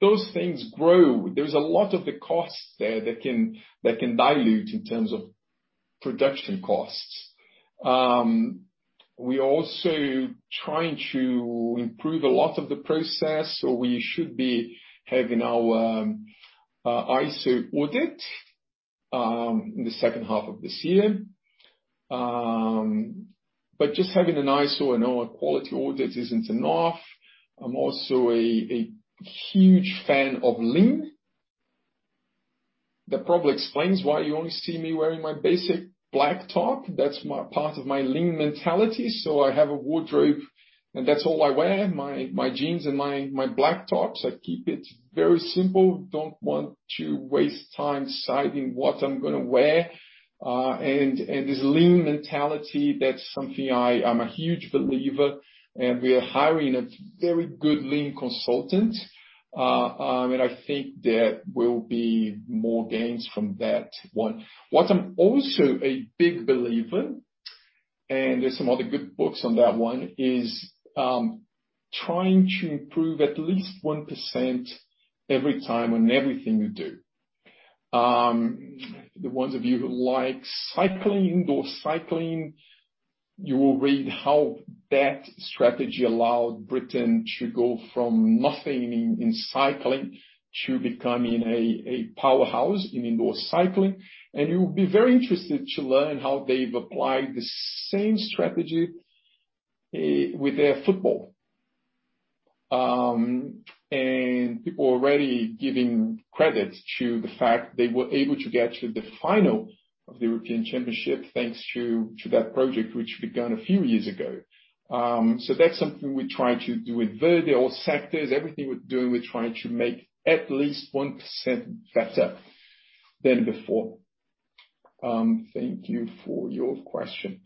A: those things grow, there's a lot of the costs there that can dilute in terms of production costs. We're also trying to improve a lot of the process, so we should be having our ISO audit in the second half of this year. Just having an ISO and our quality audit isn't enough. I'm also a huge fan of Lean. That probably explains why you only see me wearing my basic black top. That's part of my Lean mentality. I have a wardrobe, and that's all I wear, my jeans and my black tops. I keep it very simple. Don't want to waste time deciding what I'm going to wear. This Lean mentality, that's something I am a huge believer, and we are hiring a very good Lean Consultant. I think there will be more gains from that one. What I'm also a big believer, and there's some other good books on that one, is trying to improve at least 1% every time on everything you do. The ones of you who like cycling, indoor cycling, you will read how that strategy allowed Britain to go from nothing in cycling to becoming a powerhouse in indoor cycling. You'll be very interested to learn how they've applied the same strategy with their football. People are already giving credit to the fact they were able to get to the final of the European Championship thanks to that project, which began a few years ago. That's something we try to do with Verde, all sectors, everything we're doing, we're trying to make at least 1% better than before. Thank you for your question.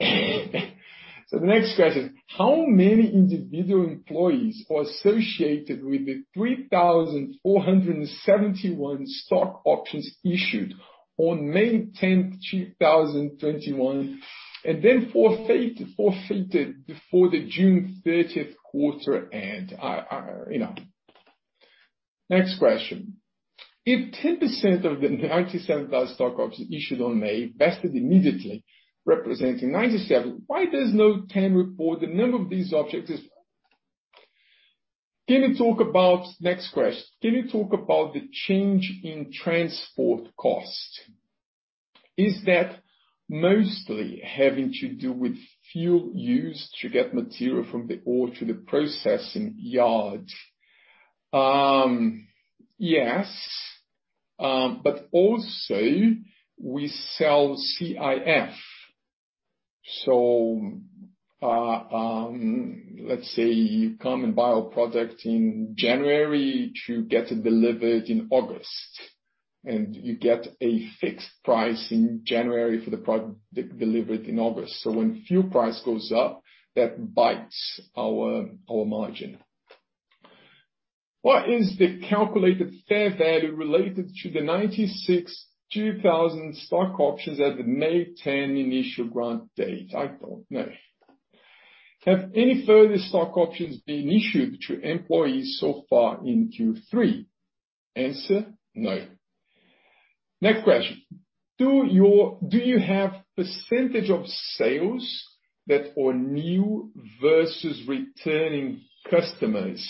A: The next question. How many individual employees are associated with the 3,471 stock options issued on May 10th, 2021, and then forfeited before the June 30th quarter-end? Next question. If 10% of the 97,000 stock options issued on May vested immediately, representing 97, why there's no May 10 report? The number of these objects is. Next question. Can you talk about the change in transport cost? Is that mostly having to do with fuel used to get material from the ore to the processing yard? Yes. Also we sell CIF. Let's say you come and buy our product in January to get it delivered in August, and you get a fixed price in January for the product delivered in August. When fuel price goes up, that bites our margin. What is the calculated fair value related to the 96,200 stock options at the May 10 initial grant date? I don't know. Have any further stock options been issued to employees so far in Q3? Answer, no. Next question. Do you have percentage of sales that are new versus returning customers?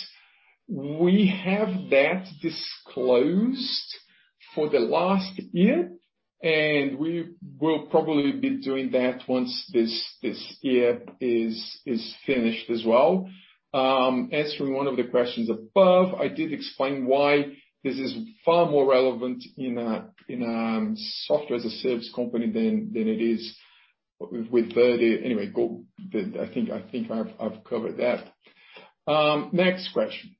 A: We have that disclosed for the last year, and we will probably be doing that once this year is finished as well. I did explain why it is far my relevant with software than with Verde. I think I've covered that. Next question.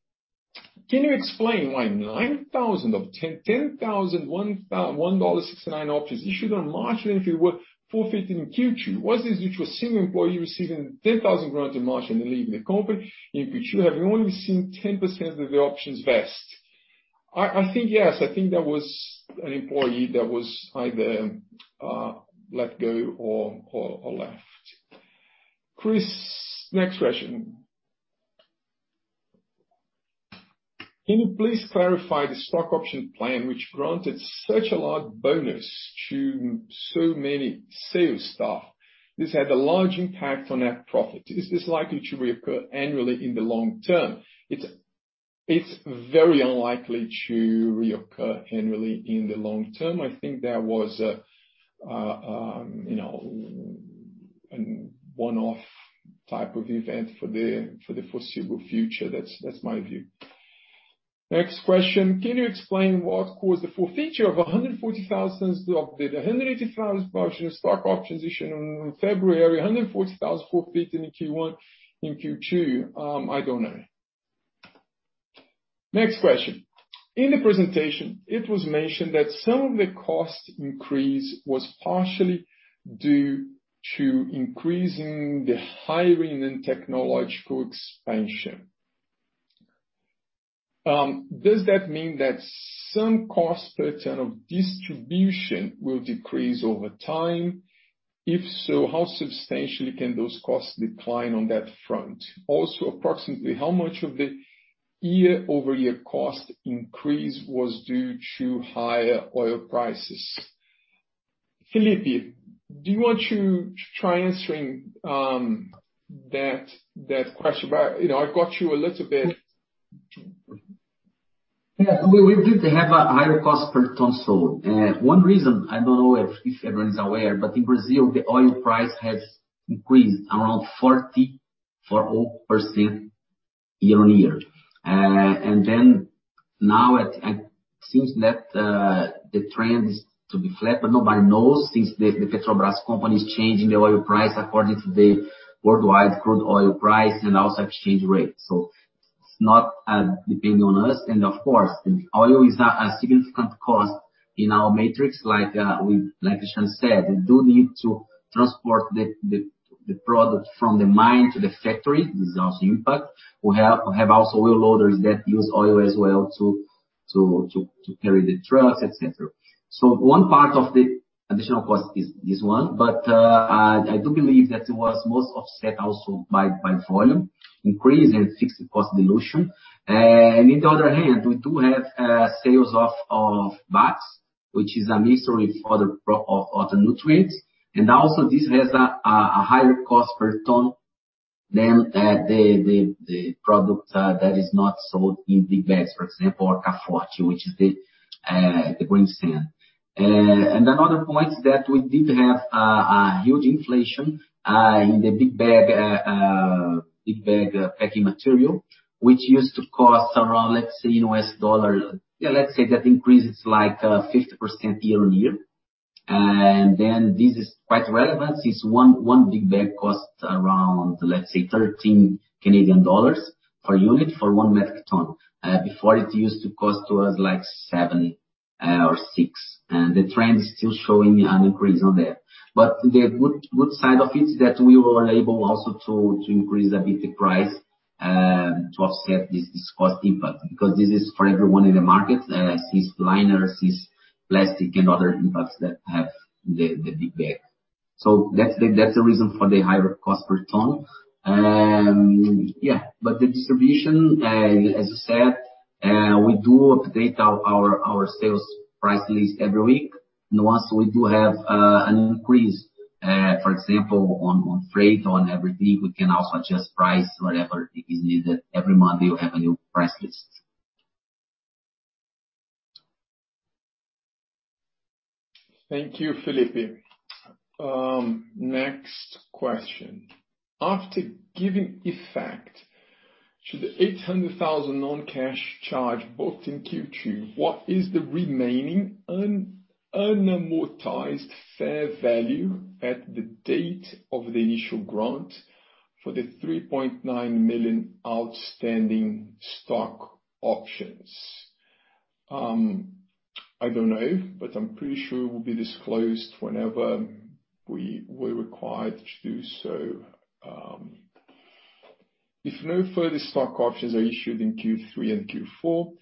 A: Can you explain why $9,000 of $10,000, $1.69 options issued on March then were forfeited in Q2? Was this due to a single employee receiving 10,000 grants in March and then leaving the company in Q2, having only seen 10% of the options vest? I think yes. I think that was an employee that was either let go or left. Chris, next question. Can you please clarify the stock option plan which granted such a large bonus to so many sales staff? This had a large impact on net profit. Is this likely to reoccur annually in the long term? It's very unlikely to reoccur annually in the long term. I think that was a one-off type of event for the foreseeable future. That's my view. Next question. Can you explain what caused the forfeiture of 140,000 of the 180,000 [founder] stock options issued on February, 140,000 forfeit in Q2? I don't know. Next question. In the presentation, it was mentioned that some of the cost increase was partially due to increasing the hiring and technological expansion. Does that mean that some cost per ton of distribution will decrease over time? If so, how substantially can those costs decline on that front? Also, approximately how much of the year-over-year cost increase was due to higher oil prices? Felipe, do you want to try answering that question? I've got you a little bit.
B: Yes. We did have a higher cost per ton sold. In Brazil, the oil price has increased around 40% year-on-year. Now it seems that the trend is to be flat, but nobody knows since the Petrobras company is changing the oil price according to the worldwide crude oil price and also exchange rate. It's not depending on us. Oil is a significant cost in our matrix like Cristiano said. We do need to transport the product from the mine to the factory. This is also impact. We have also wheel loaders that use oil as well to carry the trucks, et cetera. One part of the additional cost is this one, but I do believe that it was most offset also by volume increase and fixed cost dilution. On the other hand, we do have sales of BAKS, which is a mixture of other nutrients. Also this has a higher cost per ton than the product that is not sold in big bags, for example, K Forte, which is the glauconite. Another point that we did have a huge inflation in the big bag packing material, which used to cost around, let's say in USD, that increase is like 50% year-on-year. This is quite relevant since one big bag costs around, let's say 13 Canadian dollars per unit for one metric ton. Before it used to cost to us like 7 or 6. The trend is still showing an increase on that. The good side of it is that we were able also to increase a bit the price to offset this cost impact, because this is for everyone in the market, since liners, since plastic and other impacts that have the big bag. That's the reason for the higher cost per ton. Yeah. The distribution, as you said, we do update our sales price list every week. Once we do have an increase, for example, on freight, on everything, we can also adjust price whenever it is needed. Every Monday we have a new price list.
A: Thank you, Felipe. Next question. After giving effect to the 800,000 non-cash charge booked in Q2, what is the remaining unamortized fair value at the date of the initial grant for the 3.9 million outstanding stock options? I don't know, but I'm pretty sure it will be disclosed whenever we're required to do so. If no further stock options are issued in Q3 and Q4,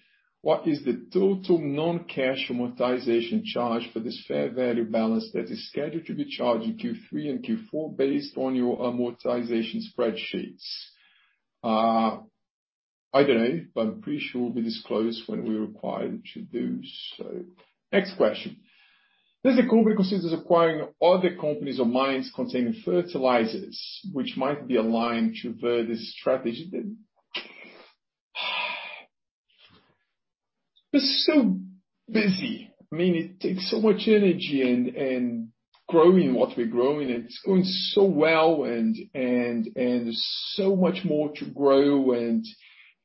A: what is the total non-cash amortization charge for this fair value balance that is scheduled to be charged in Q3 and Q4 based on your amortization spreadsheets? I don't know, but I'm pretty sure we'll disclose when we're required to do so. Next question. Does the company consider acquiring other companies or mines containing fertilizers which might be aligned to Verde's strategy? We're so busy. It takes so much energy in growing what we're growing, it's going so well and there's so much more to grow.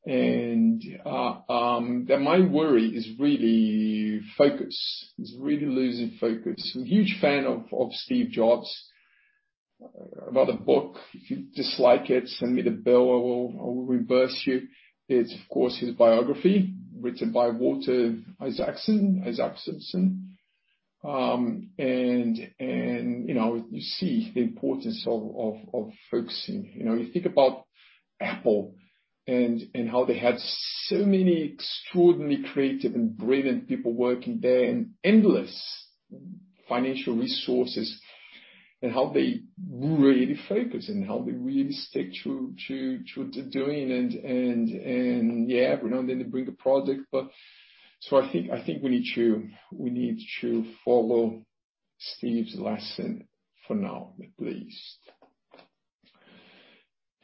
A: That my worry is really focus. It's really losing focus. I'm a huge fan of Steve Jobs. I bought a book. If you dislike it, send me the bill, I will reimburse you. It's, of course, his biography written by Walter Isaacson. You see the importance of focusing. You think about Apple and how they had so many extraordinary, creative, and brilliant people working there, and endless financial resources, and how they really focus and how they really stick to doing and every now and then they bring a project. I think we need to follow Steve's lesson for now, at least.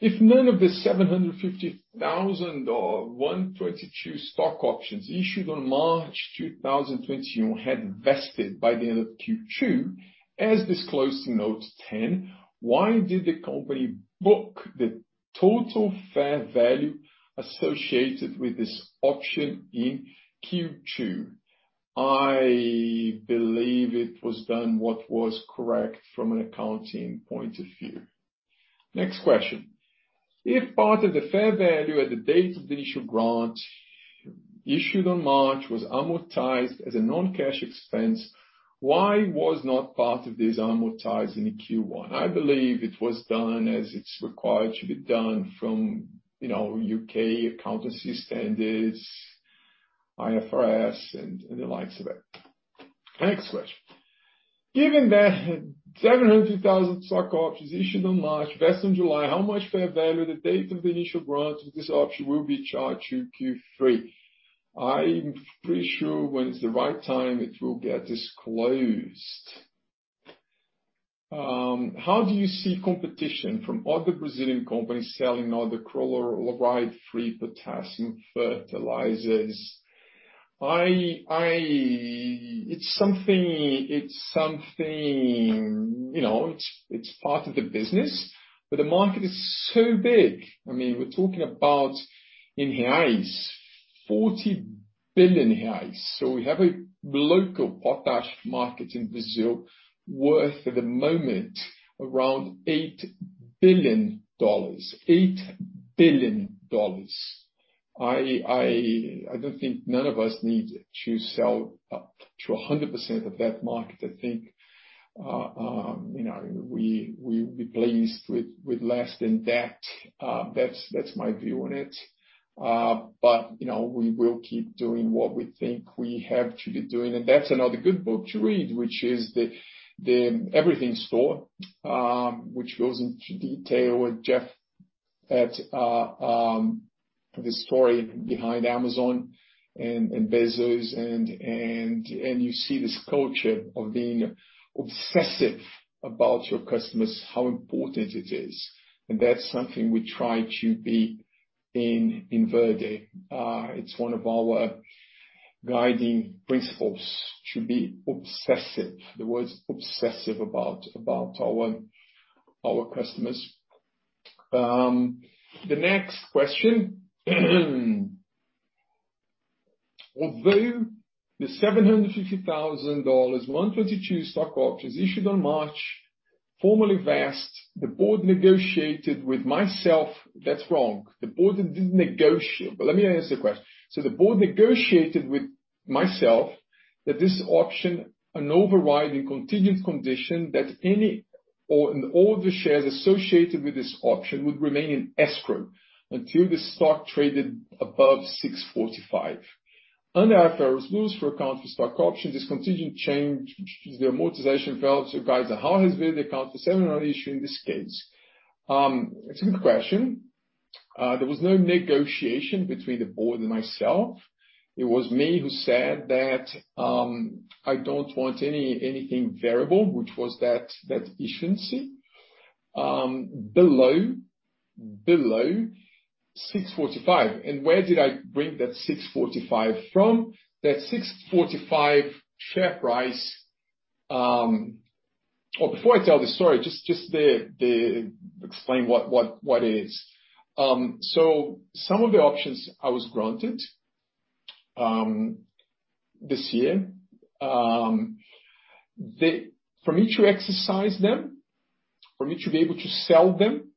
A: If none of the $750,000 or 122 stock options issued on March 2021 had vested by the end of Q2, as disclosed in Note 10, why did the company book the total fair value associated with this option in Q2? I believe it was done what was correct from an accounting point of view. Next question. If part of the fair value at the date of the initial grant issued in March was amortized as a non-cash expense, why was not part of this amortized in Q1? I believe it was done as it's required to be done from U.K. accountancy standards, IFRS, and the likes of it. Next question. Given that 700,000 stock options issued in March, vest in July, how much fair value at the date of the initial grant of this option will be charged to Q3? I'm pretty sure when it's the right time, it will get disclosed. How do you see competition from other Brazilian companies selling other chloride-free potassium fertilizers? It's part of the business, the market is so big. We're talking about, in reais, 40 billion reais. We have a local potash market in Brazil worth, at the moment, around $8 billion. I don't think none of us need to sell to 100% of that market. I think we'll be pleased with less than that. That's my view on it. We will keep doing what we think we have to be doing. That's another good book to read, which is The Everything Store, which goes into detail with Jeff at the story behind Amazon and Bezos, and you see this culture of being obsessive about your customers, how important it is. That's something we try to be in Verde. It's one of our guiding principles to be obsessive. The word is obsessive about our customers. The next question. Although the BRL 750,000 122 stock options issued in March formally vested, the board negotiated with myself. The board didn't negotiate, let me answer the question. The board negotiated with myself that this option, an overriding contingent condition that any or all the shares associated with this option would remain in escrow until the stock traded above 645. Under IFRS rules for account for stock options, this contingent change the amortization values to guide the how has been the account for similar issue in this case. It's a good question. There was no negotiation between the board and myself. It was me who said that I don't want anything variable, which was that issuancy below 645. Where did I bring that 645 from? That 645 share price. Oh, before I tell the story, just explain what it is. Some of the options I was granted this year, for me to exercise them, for me to be able to sell them,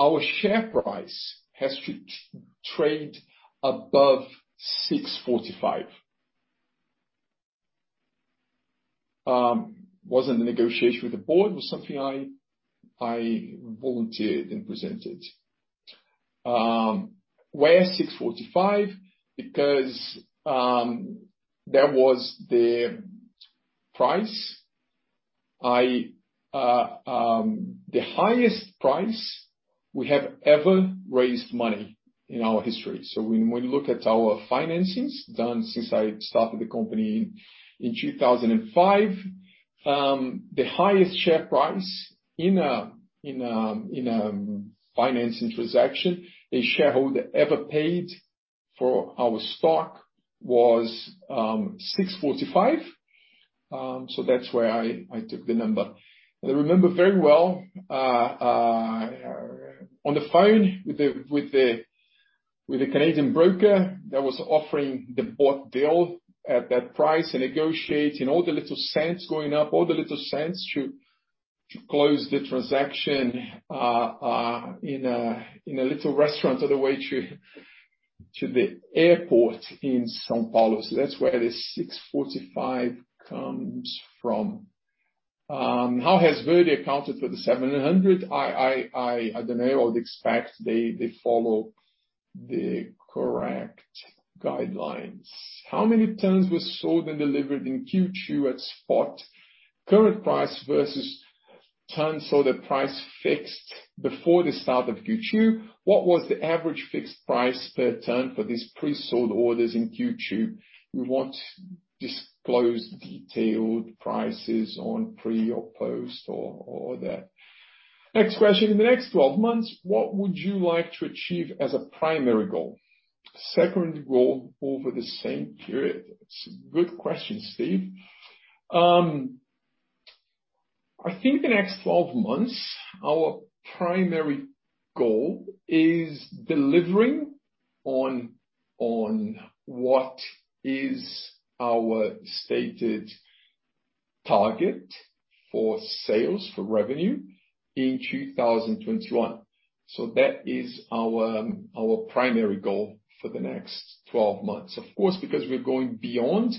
A: our share price has to trade above 645. Wasn't a negotiation with the board, it was something I volunteered and presented. Why CAD 645? Because that was the price. The highest price we have ever raised money in our history. When we look at our financings done since I started the company in 2005, the highest share price in a financing transaction a shareholder ever paid for our stock was 645. That's where I took the number. I remember very well, on the phone with the Canadian broker that was offering the bought deal at that price, and negotiating all the little cents going up, all the little cents to close the transaction, in a little restaurant on the way to the airport in São Paulo. That's where the 645 comes from. How has Verde accounted for the 700? I don't know. I would expect they follow the correct guidelines. How many tons were sold and delivered in Q2 at spot current price versus tons sold at price fixed before the start of Q2? What was the average fixed price per ton for these pre-sold orders in Q2? We won't disclose detailed prices on pre or post or that. Next question. In the next 12 months, what would you like to achieve as a primary goal? Secondary goal over the same period? It's a good question, Steve. I think the next 12 months, our primary goal is delivering on what is our stated target for sales, for revenue in 2021. That is our primary goal for the next 12 months. Of course, because we're going beyond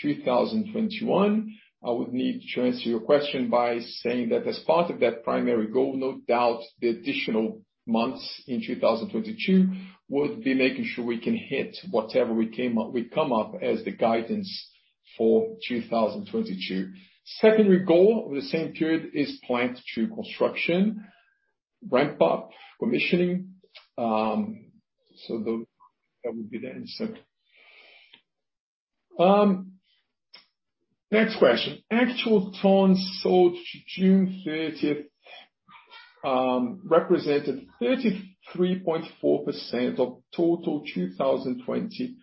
A: 2021, I would need to answer your question by saying that as part of that primary goal, no doubt the additional months in 2022 would be making sure we can hit whatever we come up as the guidance for 2022. Secondary goal over the same period is Plant 2 construction, ramp up, commissioning. That would be the answer. Next question. Actual tons sold to June 30th represented 33.4% of total 2020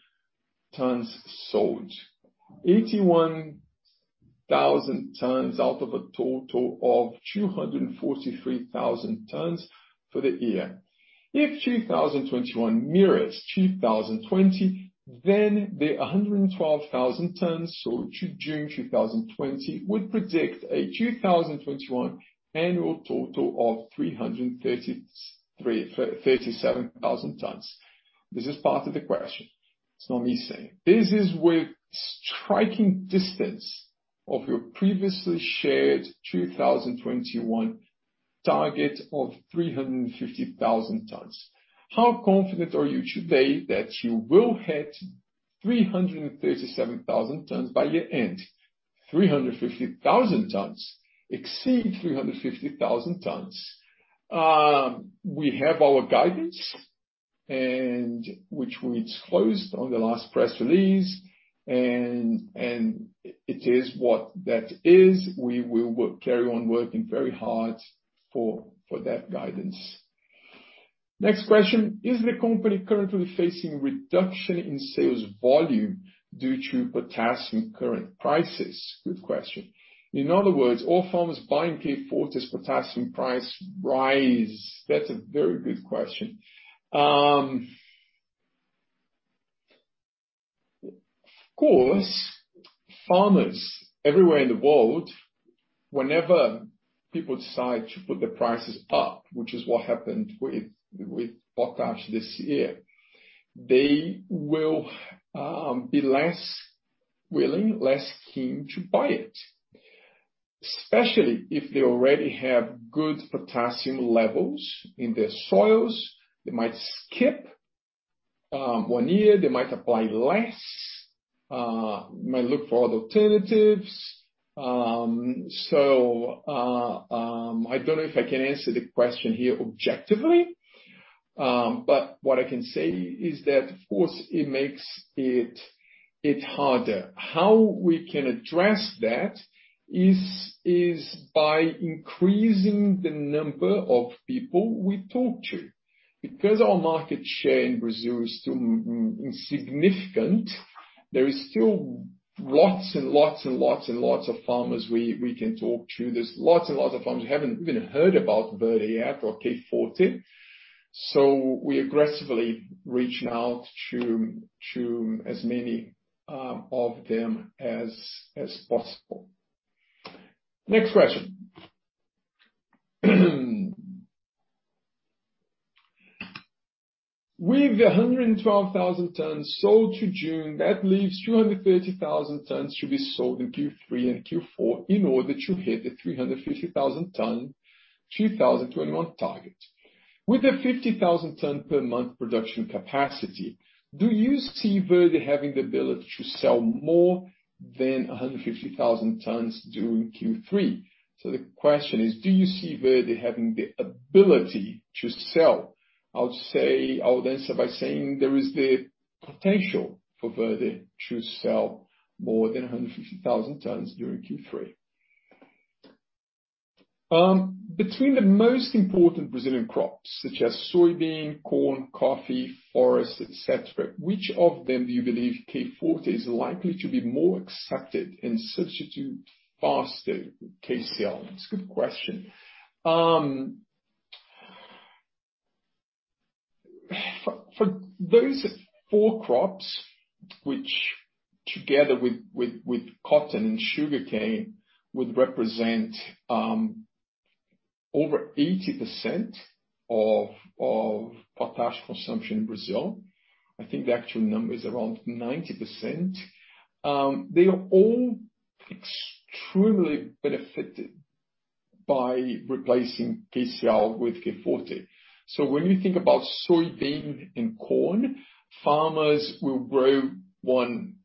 A: tons sold. 81,000 tons out of a total of 243,000 tons for the year. If 2021 mirrors 2020, then the 112,000 tons sold to June 2020 would predict a 2021 annual total of 337,000 tons. This is part of the question. It's not me saying. This is with striking distance of your previously shared 2021 target of 350,000 tons. How confident are you today that you will hit 337,000 tons by year-end? 350,000 tons. Exceed 350,000 tons. We have our guidance, which we disclosed on the last press release, and it is what that is. We will carry on working very hard for that guidance. Next question. Is the company currently facing reduction in sales volume due to potassium current prices? Good question. In other words, are farmers buying K Forte as potassium price rise? That's a very good question. Of course, farmers everywhere in the world, whenever people decide to put the prices up, which is what happened with potash this year, they will be less willing, less keen to buy it. Especially if they already have good potassium levels in their soils, they might skip one year, they might apply less, might look for other alternatives. I don't know if I can answer the question here objectively, but what I can say is that, of course, it makes it harder. How we can address that is by increasing the number of people we talk to. Our market share in Brazil is still insignificant, there is still lots and lots and lots and lots of farmers we can talk to. There's lots and lots of farmers who haven't even heard about Verde yet or K Forte. We're aggressively reaching out to as many of them as possible. Next question. With 112,000 tons sold to June, that leaves 230,000 tons to be sold in Q3 and Q4 in order to hit the 350,000 ton 2021 target. With a 50,000 ton per month production capacity, do you see Verde having the ability to sell more than 150,000 tons during Q3? The question is, do you see Verde having the ability to sell? I would answer by saying there is the potential for Verde to sell more than 150,000 tons during Q3. Between the most important Brazilian crops, such as soybean, corn, coffee, forest, et cetera, which of them do you believe K Forte is likely to be more accepted and substitute faster with KCl? That's a good question. For those four crops, which together with cotton and sugarcane, would represent over 80% of potash consumption in Brazil, I think the actual number is around 90%. They are all extremely benefited by replacing KCl with K Forte. When you think about soybean and corn, farmers will grow one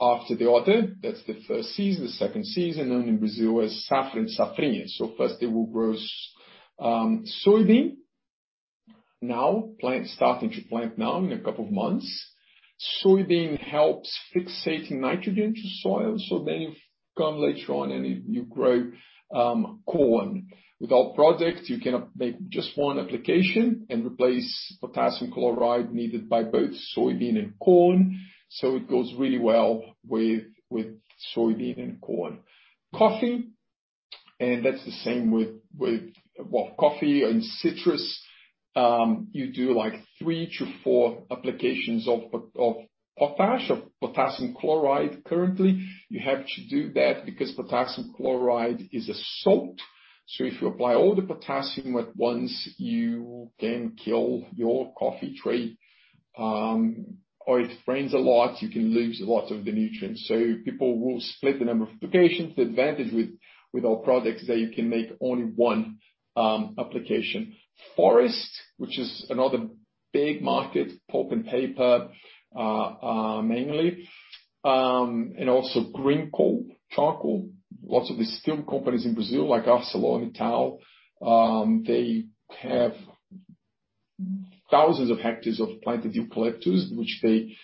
A: after the other. That's the first season, the second season, known in Brazil as safra and safrinha. First they will grow soybean. Starting to plant now in a couple of months. Soybean helps fixate nitrogen to soil, you come later on and you grow corn. With our product, you can make just one application and replace potassium chloride needed by both soybean and corn, it goes really well with soybean and corn. Coffee, that's the same with coffee and citrus. You do three to four applications of potash or potassium chloride currently. You have to do that because potassium chloride is a salt. If you apply all the potassium at once, you can kill your coffee tree. If it rains a lot, you can lose a lot of the nutrients. People will split the number of applications. The advantage with our product is that you can make only one application. Forest, which is another big market, pulp and paper mainly, and also green coal, charcoal. Lots of the steel companies in Brazil, like ArcelorMittal, they have thousands of hectares of planted eucalyptus, which they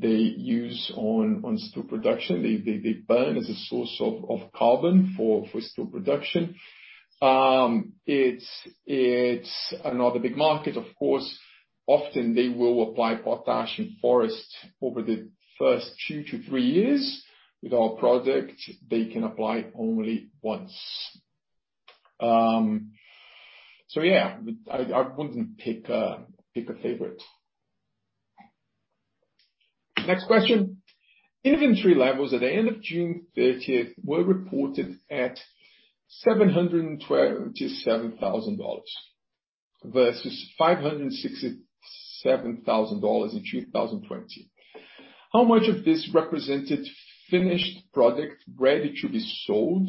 A: use on steel production. They burn as a source of carbon for steel production. It's another big market, of course. Often they will apply potash in forest over the first two to three years. With our product, they can apply only once. Yeah, I wouldn't pick a favorite. Next question. Inventory levels at the end of June 30th were reported at $727,000 versus $567,000 in 2020. How much of this represented finished product ready to be sold?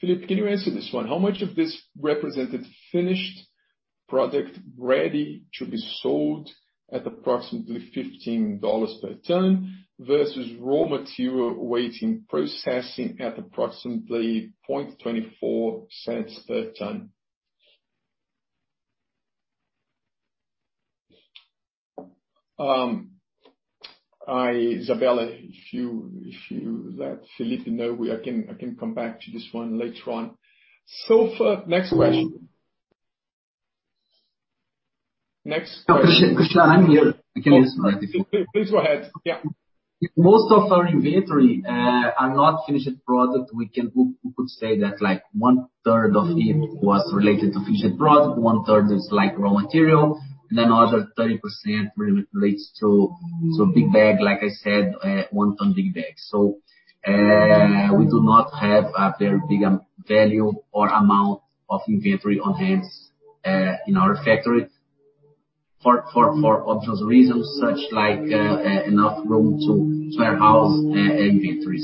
A: Felipe, can you answer this one? How much of this represented finished product ready to be sold at approximately $15 per ton versus raw material waiting, processing at approximately $0.24 per ton? Isabella, if you let Felipe know, I can come back to this one later on. Next question.
B: Cristiano, I'm here. I can answer that.
A: Please go ahead. Yeah.
B: Most of our inventory are not finished product. We could say that one-third of it was related to finished product, one-third is raw material, other 30% relates to big bag, like I said, one-ton big bag. We do not have a very big value or amount of inventory on hands in our factory for obvious reasons, such like enough room to warehouse inventory.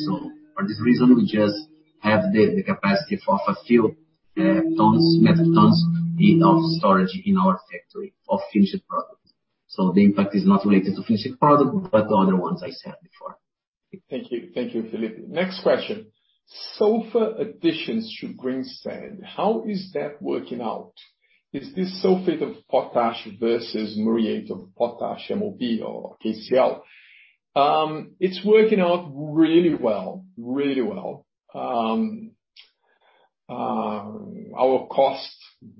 B: For this reason, we just have the capacity for a few tons, metric tons in our storage in our factory of finished products. The impact is not related to finished product, but the other ones I said before.
A: Thank you, Felipe. Next question. Sulfur additions to Greensand, how is that working out? Is this sulfate of potash versus muriate of potash, MOP or KCl? It's working out really well. Our cost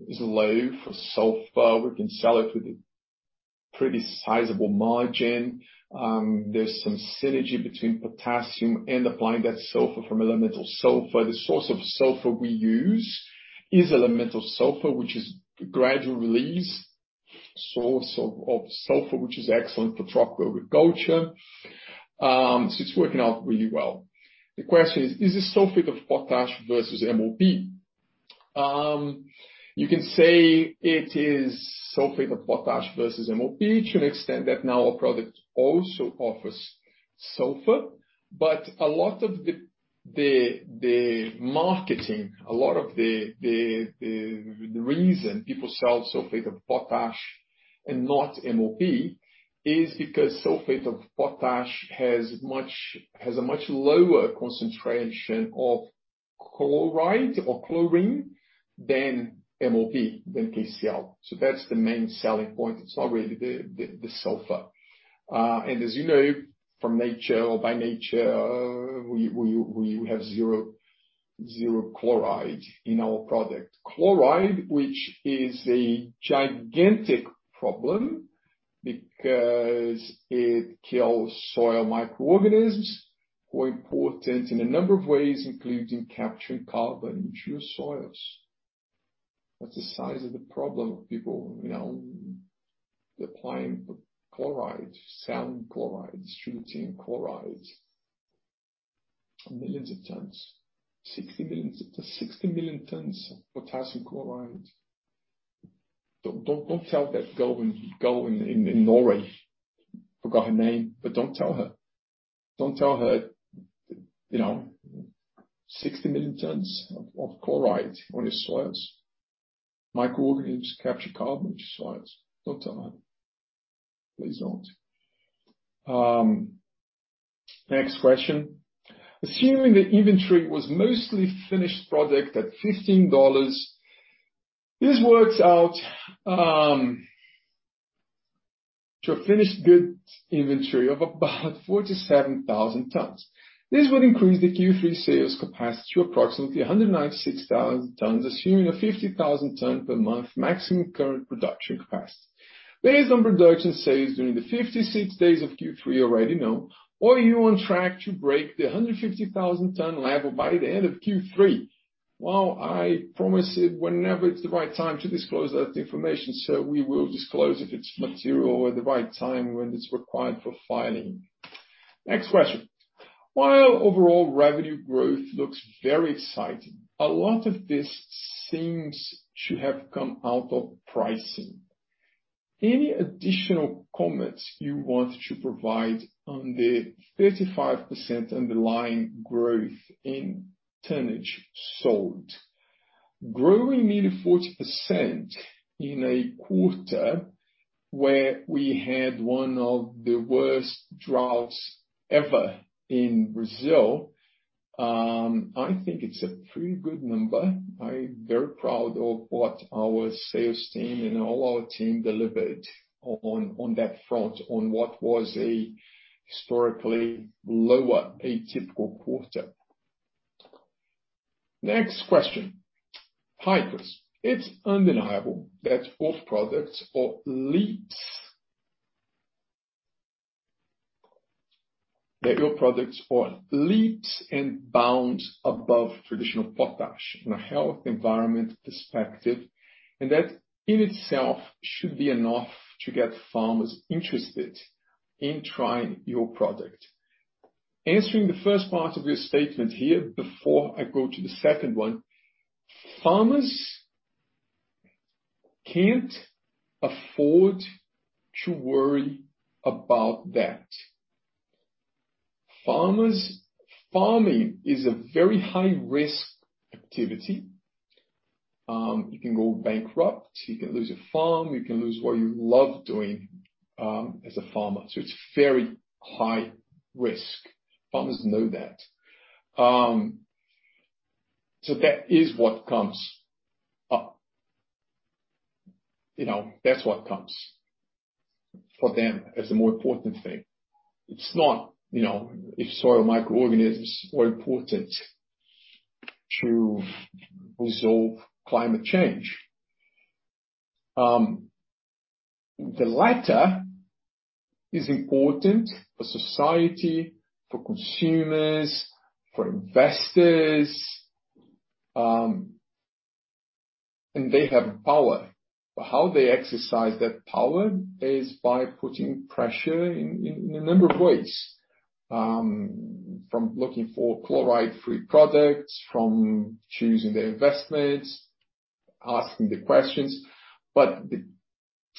A: is low for sulfur. We can sell it with a pretty sizable margin. There's some synergy between potassium and applying that sulfur from elemental sulfur. The source of sulfur we use is elemental sulfur, which is gradual release source of sulfur, which is excellent for tropical agriculture. It's working out really well. The question is this sulfate of potash versus MOP? You can say it is sulfate of potash versus MOP to an extent that now our product also offers sulfur. A lot of the marketing, a lot of the reason people sell sulfate of potash and not MOP is because sulfate of potash has a much lower concentration of chloride or chlorine than MOP than KCl. That's the main selling point. It's not really the sulfur. As you know, from nature or by nature, we have zero chloride in our product. Chloride, which is a gigantic problem because it kills soil microorganisms who are important in a number of ways, including capturing carbon into your soils. That's the size of the problem of people applying chloride, sand chlorides, potassium chlorides, millions of tons, 60 million tons of potassium chloride. Don't tell that girl in Norway. Forgot her name, but don't tell her. Don't tell her 60 million tons of chloride on your soils. Microorganisms capture carbon on your soils. Don't tell her. Please don't. Next question. Assuming the inventory was mostly finished product at $15, this works out to a finished goods inventory of about 47,000 tons. This would increase the Q3 sales capacity to approximately 196,000 tons, assuming a 50,000 ton per month maximum current production capacity. Based on production sales during the 56 days of Q3, are you on track to break the 150,000 ton level by the end of Q3? Well, I promise it whenever it's the right time to disclose that information, so we will disclose if it's material or the right time when it's required for filing. Next question. While overall revenue growth looks very exciting, a lot of this seems to have come out of pricing. Any additional comments you want to provide on the 35% underlying growth in tonnage sold? Growing nearly 40% in a quarter where we had one of the worst droughts ever in Brazil, I think it's a pretty good number. I'm very proud of what our sales team and all our team delivered on that front on what was a historically lower atypical quarter. Next question. Hi, Chris. It's undeniable that your products are leaps and bounds above traditional potash in a health environment perspective, and that in itself should be enough to get farmers interested in trying your product. Answering the first part of your statement here before I go to the second one, farmers can't afford to worry about that. Farming is a very high-risk activity. You can go bankrupt. You can lose a farm. You can lose what you love doing, as a farmer. It's very high risk. Farmers know that. That is what comes up. That's what comes for them as the more important thing. It's not if soil microorganisms are important to resolve climate change. The latter is important for society, for consumers, for investors, and they have power. How they exercise that power is by putting pressure in a number of ways, from looking for chloride-free products, from choosing the investments, asking the questions. The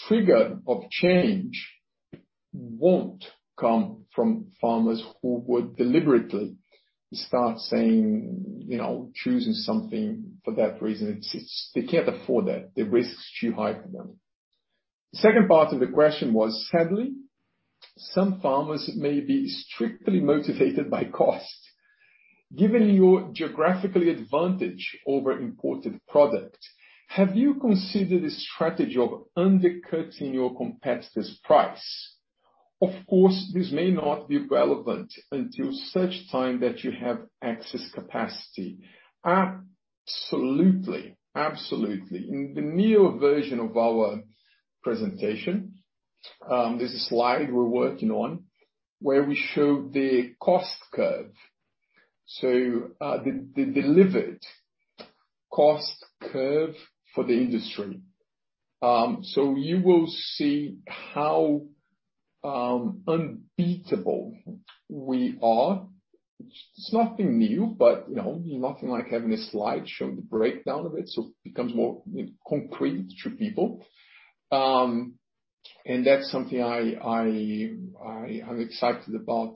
A: trigger of change won't come from farmers who would deliberately start saying, choosing something for that reason. They can't afford that. The risk is too high for them. The second part of the question was, Sadly, some farmers may be strictly motivated by cost. Given your geographical advantage over imported product, have you considered a strategy of undercutting your competitor's price? Of course, this may not be relevant until such time that you have excess capacity. Absolutely. In the newer version of our presentation, there's a slide we're working on where we show the cost curve. The delivered cost curve for the industry. You will see how unbeatable we are. It's nothing new, but nothing like having a slide showing the breakdown of it, so it becomes more concrete to people. That's something I'm excited about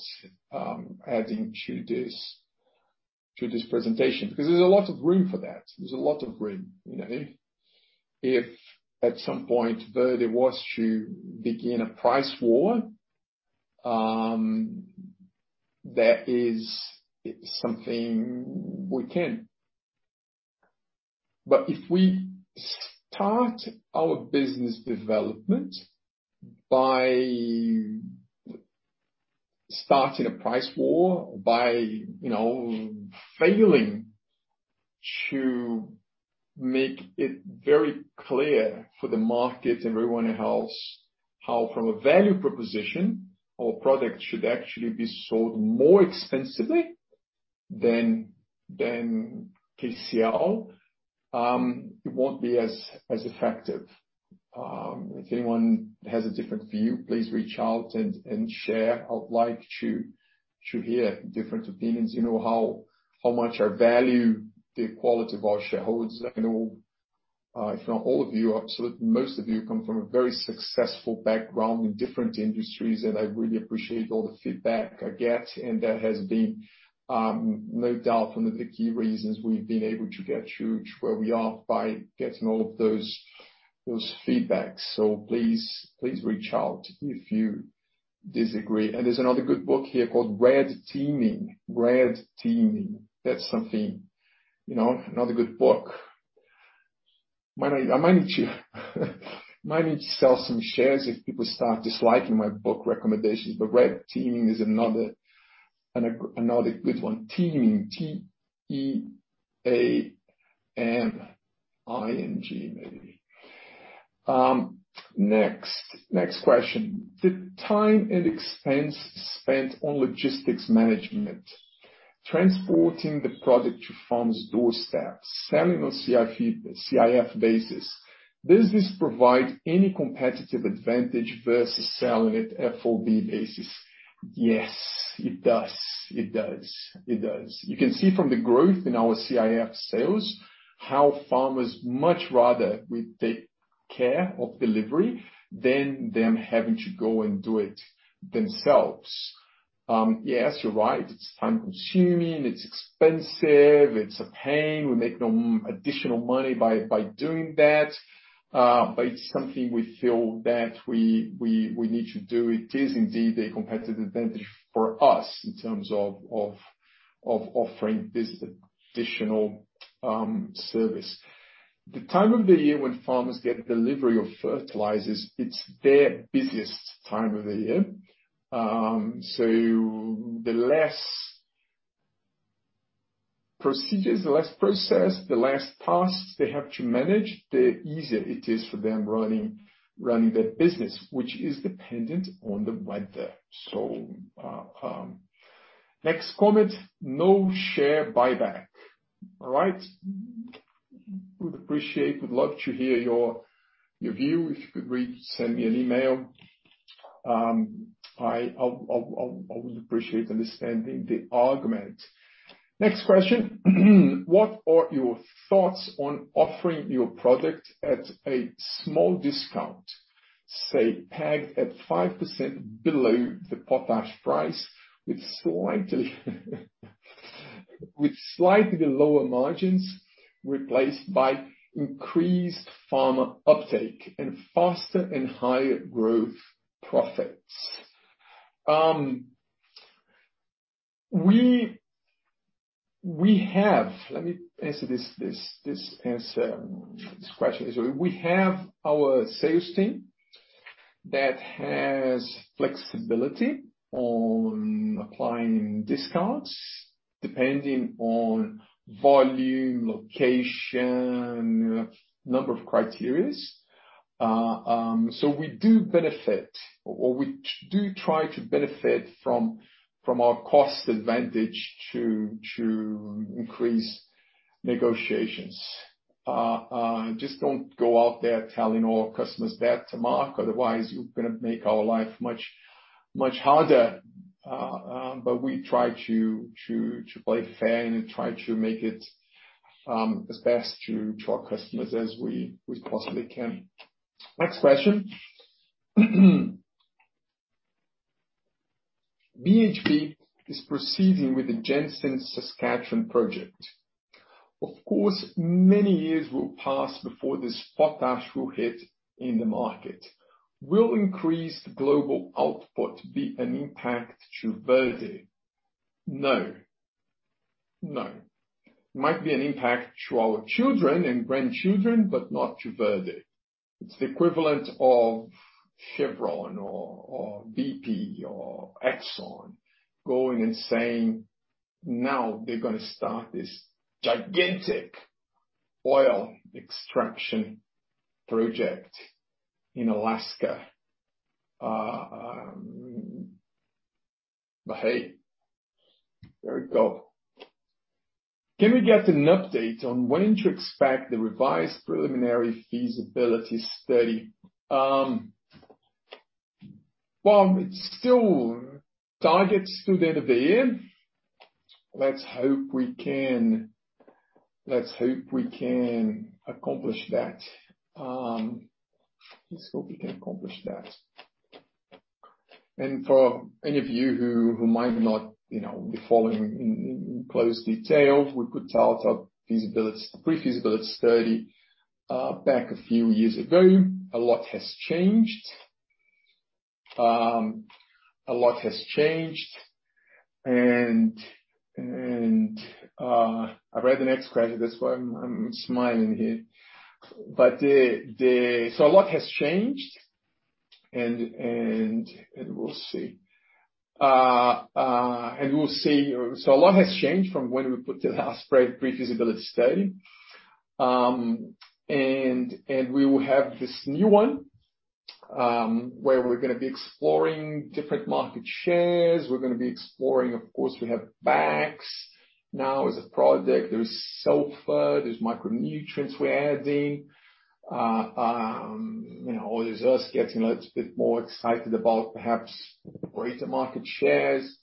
A: adding to this presentation, because there's a lot of room for that. There's a lot of room. If at some point Verde was to begin a price war. That is something we can. If we start our business development by starting a price war, by failing to make it very clear for the market and everyone else how from a value proposition, our product should actually be sold more expensively than KCl, it won't be as effective. If anyone has a different view, please reach out and share. I would like to hear different opinions. You know how much I value the quality of our shareholders. I know if not all of you, absolutely most of you come from a very successful background in different industries, and I really appreciate all the feedback I get, and that has been, no doubt, one of the key reasons we've been able to get to where we are by getting all of those feedbacks. Please reach out if you disagree. There's another good book here called Red Teaming. Red Teaming. That's another good book. I might need to sell some shares if people start disliking my book recommendations. Red Teaming is another good one. Teaming. T-E-A-M-I-N-G, maybe. Next question. The time and expense spent on logistics management, transporting the product to farms' doorsteps, selling on CIF basis, does this provide any competitive advantage versus selling at FOB basis? Yes, it does. You can see from the growth in our CIF sales how farmers much rather we take care of delivery than them having to go and do it themselves. Yes, you're right. It's time-consuming. It's expensive. It's a pain. We make no additional money by doing that. It's something we feel that we need to do. It is indeed a competitive advantage for us in terms of offering this additional service. The time of the year when farmers get delivery of fertilizers, it's their busiest time of the year. The less procedures, the less process, the less tasks they have to manage, the easier it is for them running their business, which is dependent on the weather. Next comment. No share buyback. All right. Would appreciate, would love to hear your view. If you could read, send me an email. I would appreciate understanding the argument. Next question. What are your thoughts on offering your product at a small discount, say, pegged at 5% below the potash price with slightly lower margins replaced by increased farmer uptake and faster and higher growth profits? Let me answer this question. We have our sales team that has flexibility on applying discounts depending on volume, location, a number of criteria. We do benefit, or we do try to benefit from our cost advantage to increase negotiations. Just don't go out there telling all customers that to [Market], otherwise, you're going to make our life much harder. We try to play fair and try to make it as best to our customers as we possibly can. Next question. BHP is proceeding with the Jansen Saskatchewan project. Of course, many years will pass before this potash will hit in the market. Will increased global output be an impact to Verde? No. It might be an impact to our children and grandchildren, but not to Verde. It's the equivalent of Chevron or BP or Exxon going and saying, now they're going to start this gigantic oil extraction project in Alaska. Hey, there we go. Can we get an update on when to expect the revised preliminary feasibility study? Well, it's still targets to the end of the year. Let's hope we can accomplish that. For any of you who might not be following in close detail, we put out our pre-feasibility study back a few years ago. A lot has changed. I read the next question, that's why I'm smiling here. A lot has changed. We'll see. A lot has changed from when we put together our pre-feasibility study. We will have this new one, where we're going to be exploring different market shares. We're going to be exploring, of course, we have BAKS now as a product. There is sulfur, there's micronutrients we're adding. All there's us getting a little bit more excited about perhaps greater market shares,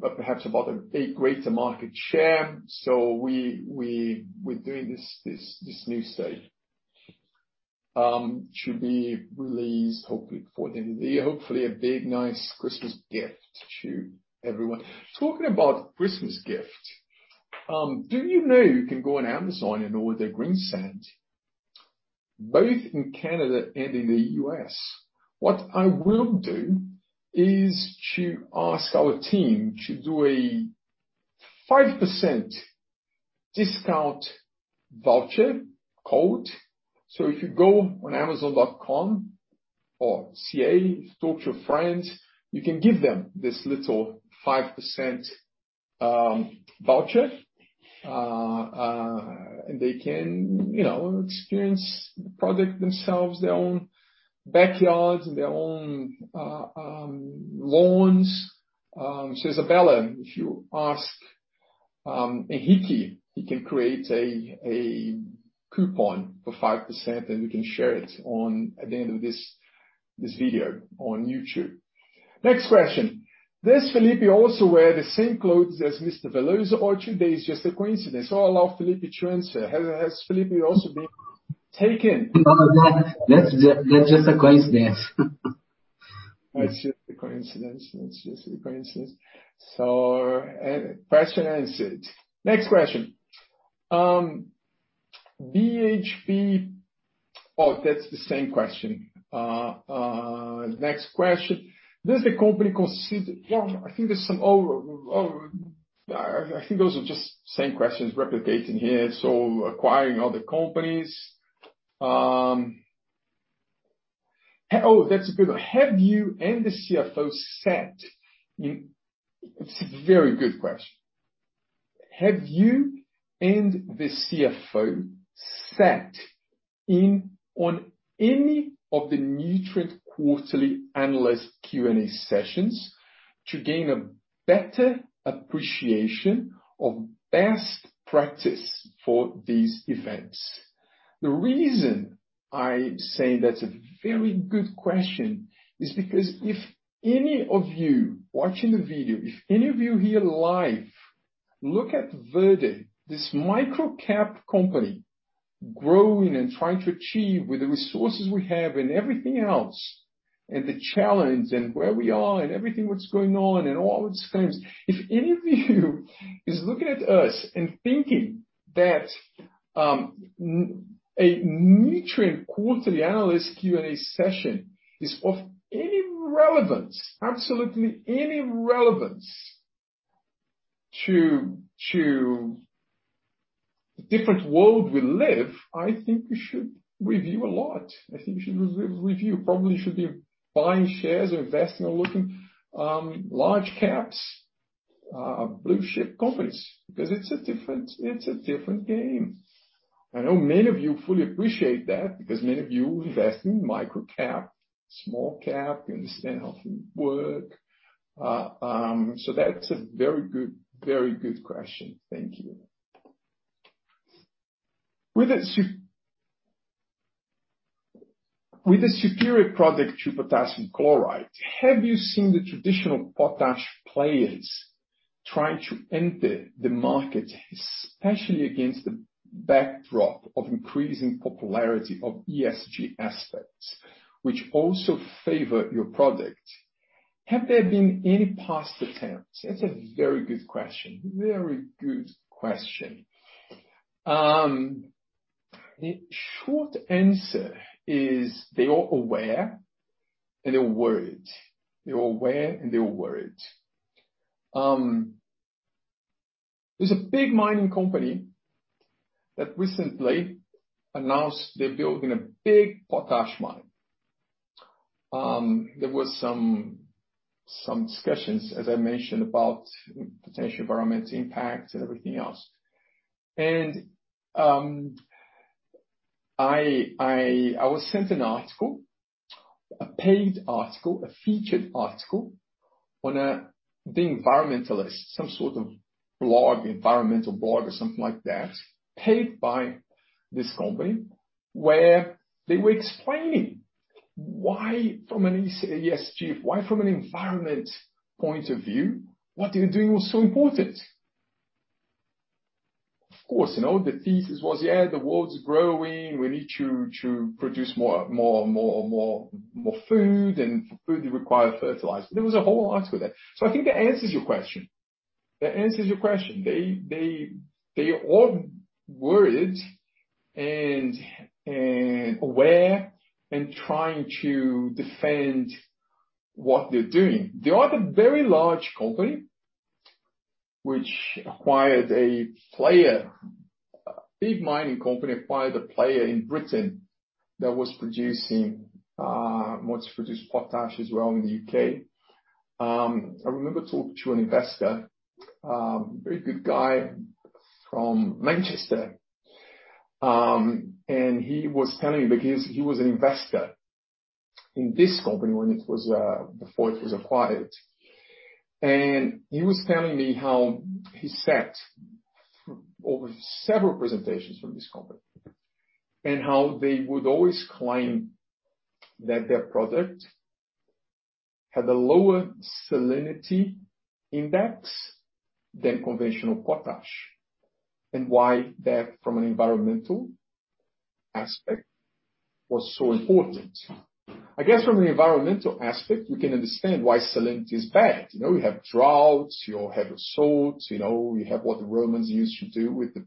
A: but perhaps about a greater market share. We're doing this new study. Should be released hopefully before the end of the year. Hopefully a big, nice Christmas gift to everyone. Talking about Christmas gift, do you know you can go on Amazon and order Greensand, both in Canada and in the U.S.? What I will do is to ask our team to do a 5% discount voucher code. If you go on amazon.com or ca, talk to your friends, you can give them this little 5% voucher. They can experience the product themselves, their own backyards and their own lawns. Isabella, if you ask Enrique, he can create a coupon for 5%, and we can share it at the end of this video on YouTube. Next question. Does Felipe also wear the same clothes as Mr. Veloso, or today is just a coincidence? I allow Felipe transfer. Has Felipe also been taken?
B: No, that's just a coincidence.
A: That's just a coincidence. Question answered. Next question. That's the same question. Next question. I think those are just same questions replicating here. Acquiring other companies. That's a good one. It's a very good question. Have you and the Chief Financial Officer sat in on any of the Nutrien quarterly analyst Q&A sessions to gain a better appreciation of best practice for these events? The reason I say that's a very good question is because if any of you watching the video, if any of you here live, look at Verde, this micro-cap company growing and trying to achieve with the resources we have and everything else, and the challenge, and where we are, and everything that's going on, and all these things. If any of you is looking at us and thinking that a Nutrien quarterly analyst Q&A session is of any relevance, absolutely any relevance to the different world we live, I think you should review a lot. I think you should review. Probably you should be buying shares or investing or looking large caps, blue-chip companies, because it's a different game. I know many of you fully appreciate that because many of you invest in micro-cap, small cap, you understand how things work. That's a very good question. Thank you. With a superior product to potassium chloride, have you seen the traditional potash players try to enter the market, especially against the backdrop of increasing popularity of ESG aspects, which also favor your product? Have there been any past attempts? That's a very good question. The short answer is they are aware, and they're worried. There's a big mining company that recently announced they're building a big potash mine. There was some discussions, as I mentioned, about potential environmental impact and everything else. I was sent an article, a paid article, a featured article on The Environmentalist, some sort of blog, environmental blog, or something like that, paid by this company, where they were explaining why from an ESG, why from an environment point of view, what they were doing was so important. Of course, the thesis was, yeah, the world's growing, we need to produce more and more food, and food require fertilizer. There was a whole article there. I think that answers your question. That answers your question. They are all worried and aware and trying to defend what they're doing. There is a very large company, a big mining company, acquired a player in Britain that was produced potash as well in the U.K. I remember talking to an investor, a very good guy from Manchester. He was telling me, because he was an Investor in this company before it was acquired. He was telling me how he sat over several presentations from this company, and how they would always claim that their product had a lower salinity index than conventional potash, and why that, from an environmental aspect, was so important. I guess from the environmental aspect, we can understand why salinity is bad. We have droughts, you have your salts, you have what the Romans used to do with the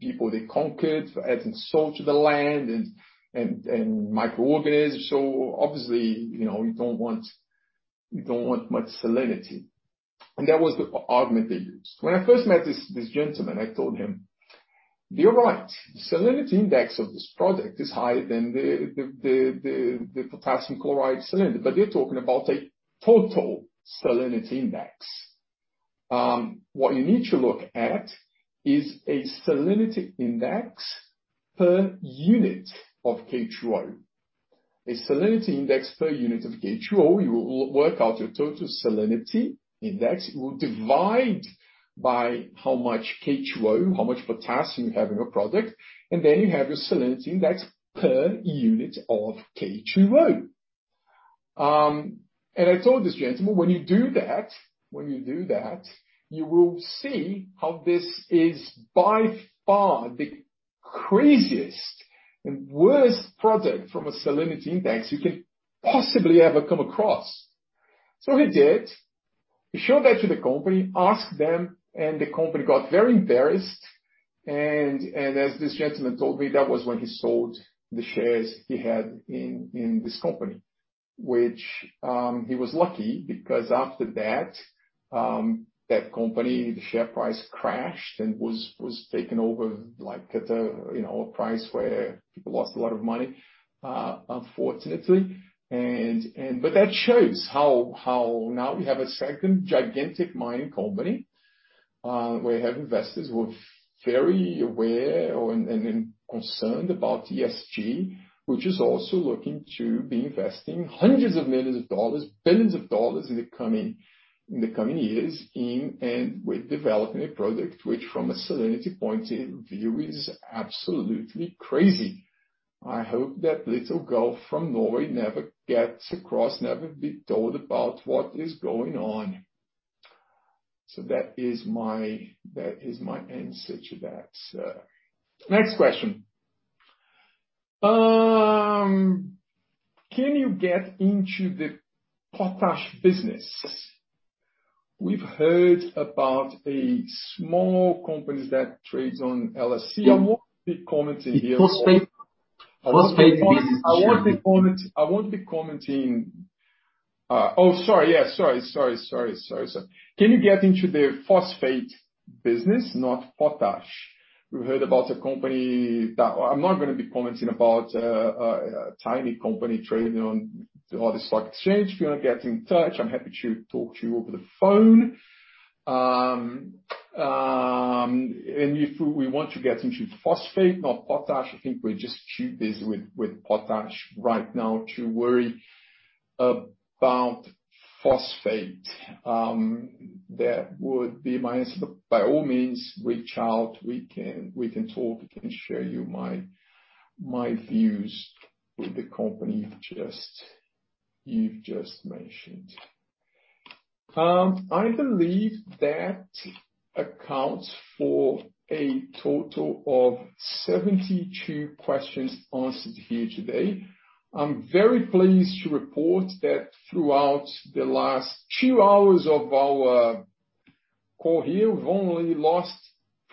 A: people they conquered for adding salt to the land and microorganisms. Obviously, you don't want much salinity. That was the argument they used. When I first met this gentleman, I told him, you're right. The salinity index of this product is higher than the potassium chloride salinity, but you're talking about a total salinity index. What you need to look at is a salinity index per unit of K2O. A salinity index per unit of K2O, you will work out your total salinity index, you will divide by how much K2O, how much potassium you have in your product, and then you have your salinity index per unit of K2O." I told this gentleman, when you do that, you will see how this is by far the craziest and worst product from a salinity index you can possibly ever come across. He did. He showed that to the company, asked them, and the company got very embarrassed. As this gentleman told me, that was when he sold the shares he had in this company, which he was lucky because after that company, the share price crashed and was taken over at a price where people lost a lot of money, unfortunately. That shows how now we have a second gigantic mining company, where we have investors who are very aware and concerned about ESG, which is also looking to be investing hundreds of millions of dollars, billions of dollars in the coming years in and with developing a product which from a salinity point of view is absolutely crazy. I hope that little girl from Norway never gets across, never be told about what is going on. That is my answer to that. Next question. Can you get into the potash business? We've heard about a small company that trades on LSE. I won't be commenting here.
B: Phosphate business.
A: I won't be commenting. Oh, sorry. Yeah. Sorry. Can you get into the phosphate business, not potash? We've heard about a company that I'm not going to be commenting about a tiny company trading on the stock exchange. If you want to get in touch, I'm happy to talk to you over the phone. If we want to get into phosphate, not potash, I think we're just too busy with potash right now to worry about phosphate. That would be my answer. By all means, reach out. We can talk, we can share you my views with the company you've just mentioned. I believe that accounts for a total of 72 questions answered here today. I'm very pleased to report that throughout the last two hours of our call here, we've only lost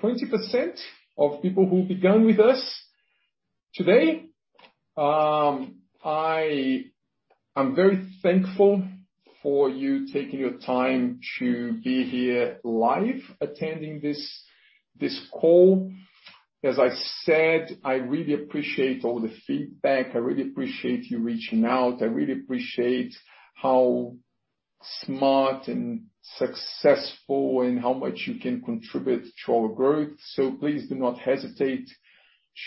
A: 20% of people who began with us today. I am very thankful for you taking your time to be here live attending this call. As I said, I really appreciate all the feedback. I really appreciate you reaching out. I really appreciate how smart and successful and how much you can contribute to our growth. Please do not hesitate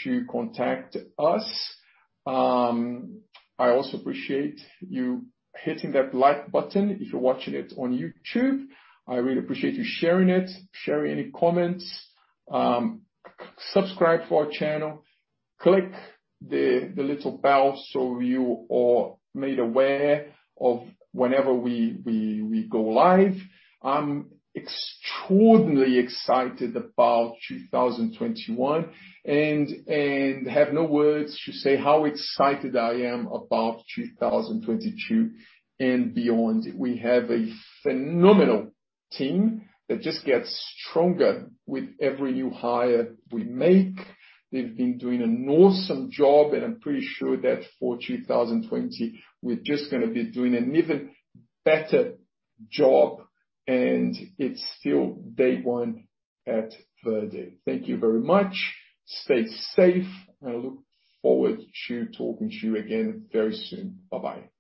A: to contact us. I also appreciate you hitting that like button if you're watching it on YouTube. I really appreciate you sharing it, sharing any comments. Subscribe for our channel. Click the little bell so you are made aware of whenever we go live. I'm extraordinarily excited about 2021 and have no words to say how excited I am about 2022 and beyond. We have a phenomenal team that just gets stronger with every new hire we make. They've been doing an awesome job, and I'm pretty sure that for 2020, we're just going to be doing an even better job, and it's still day one at Verde. Thank you very much. Stay safe, and I look forward to talking to you again very soon. Bye-bye.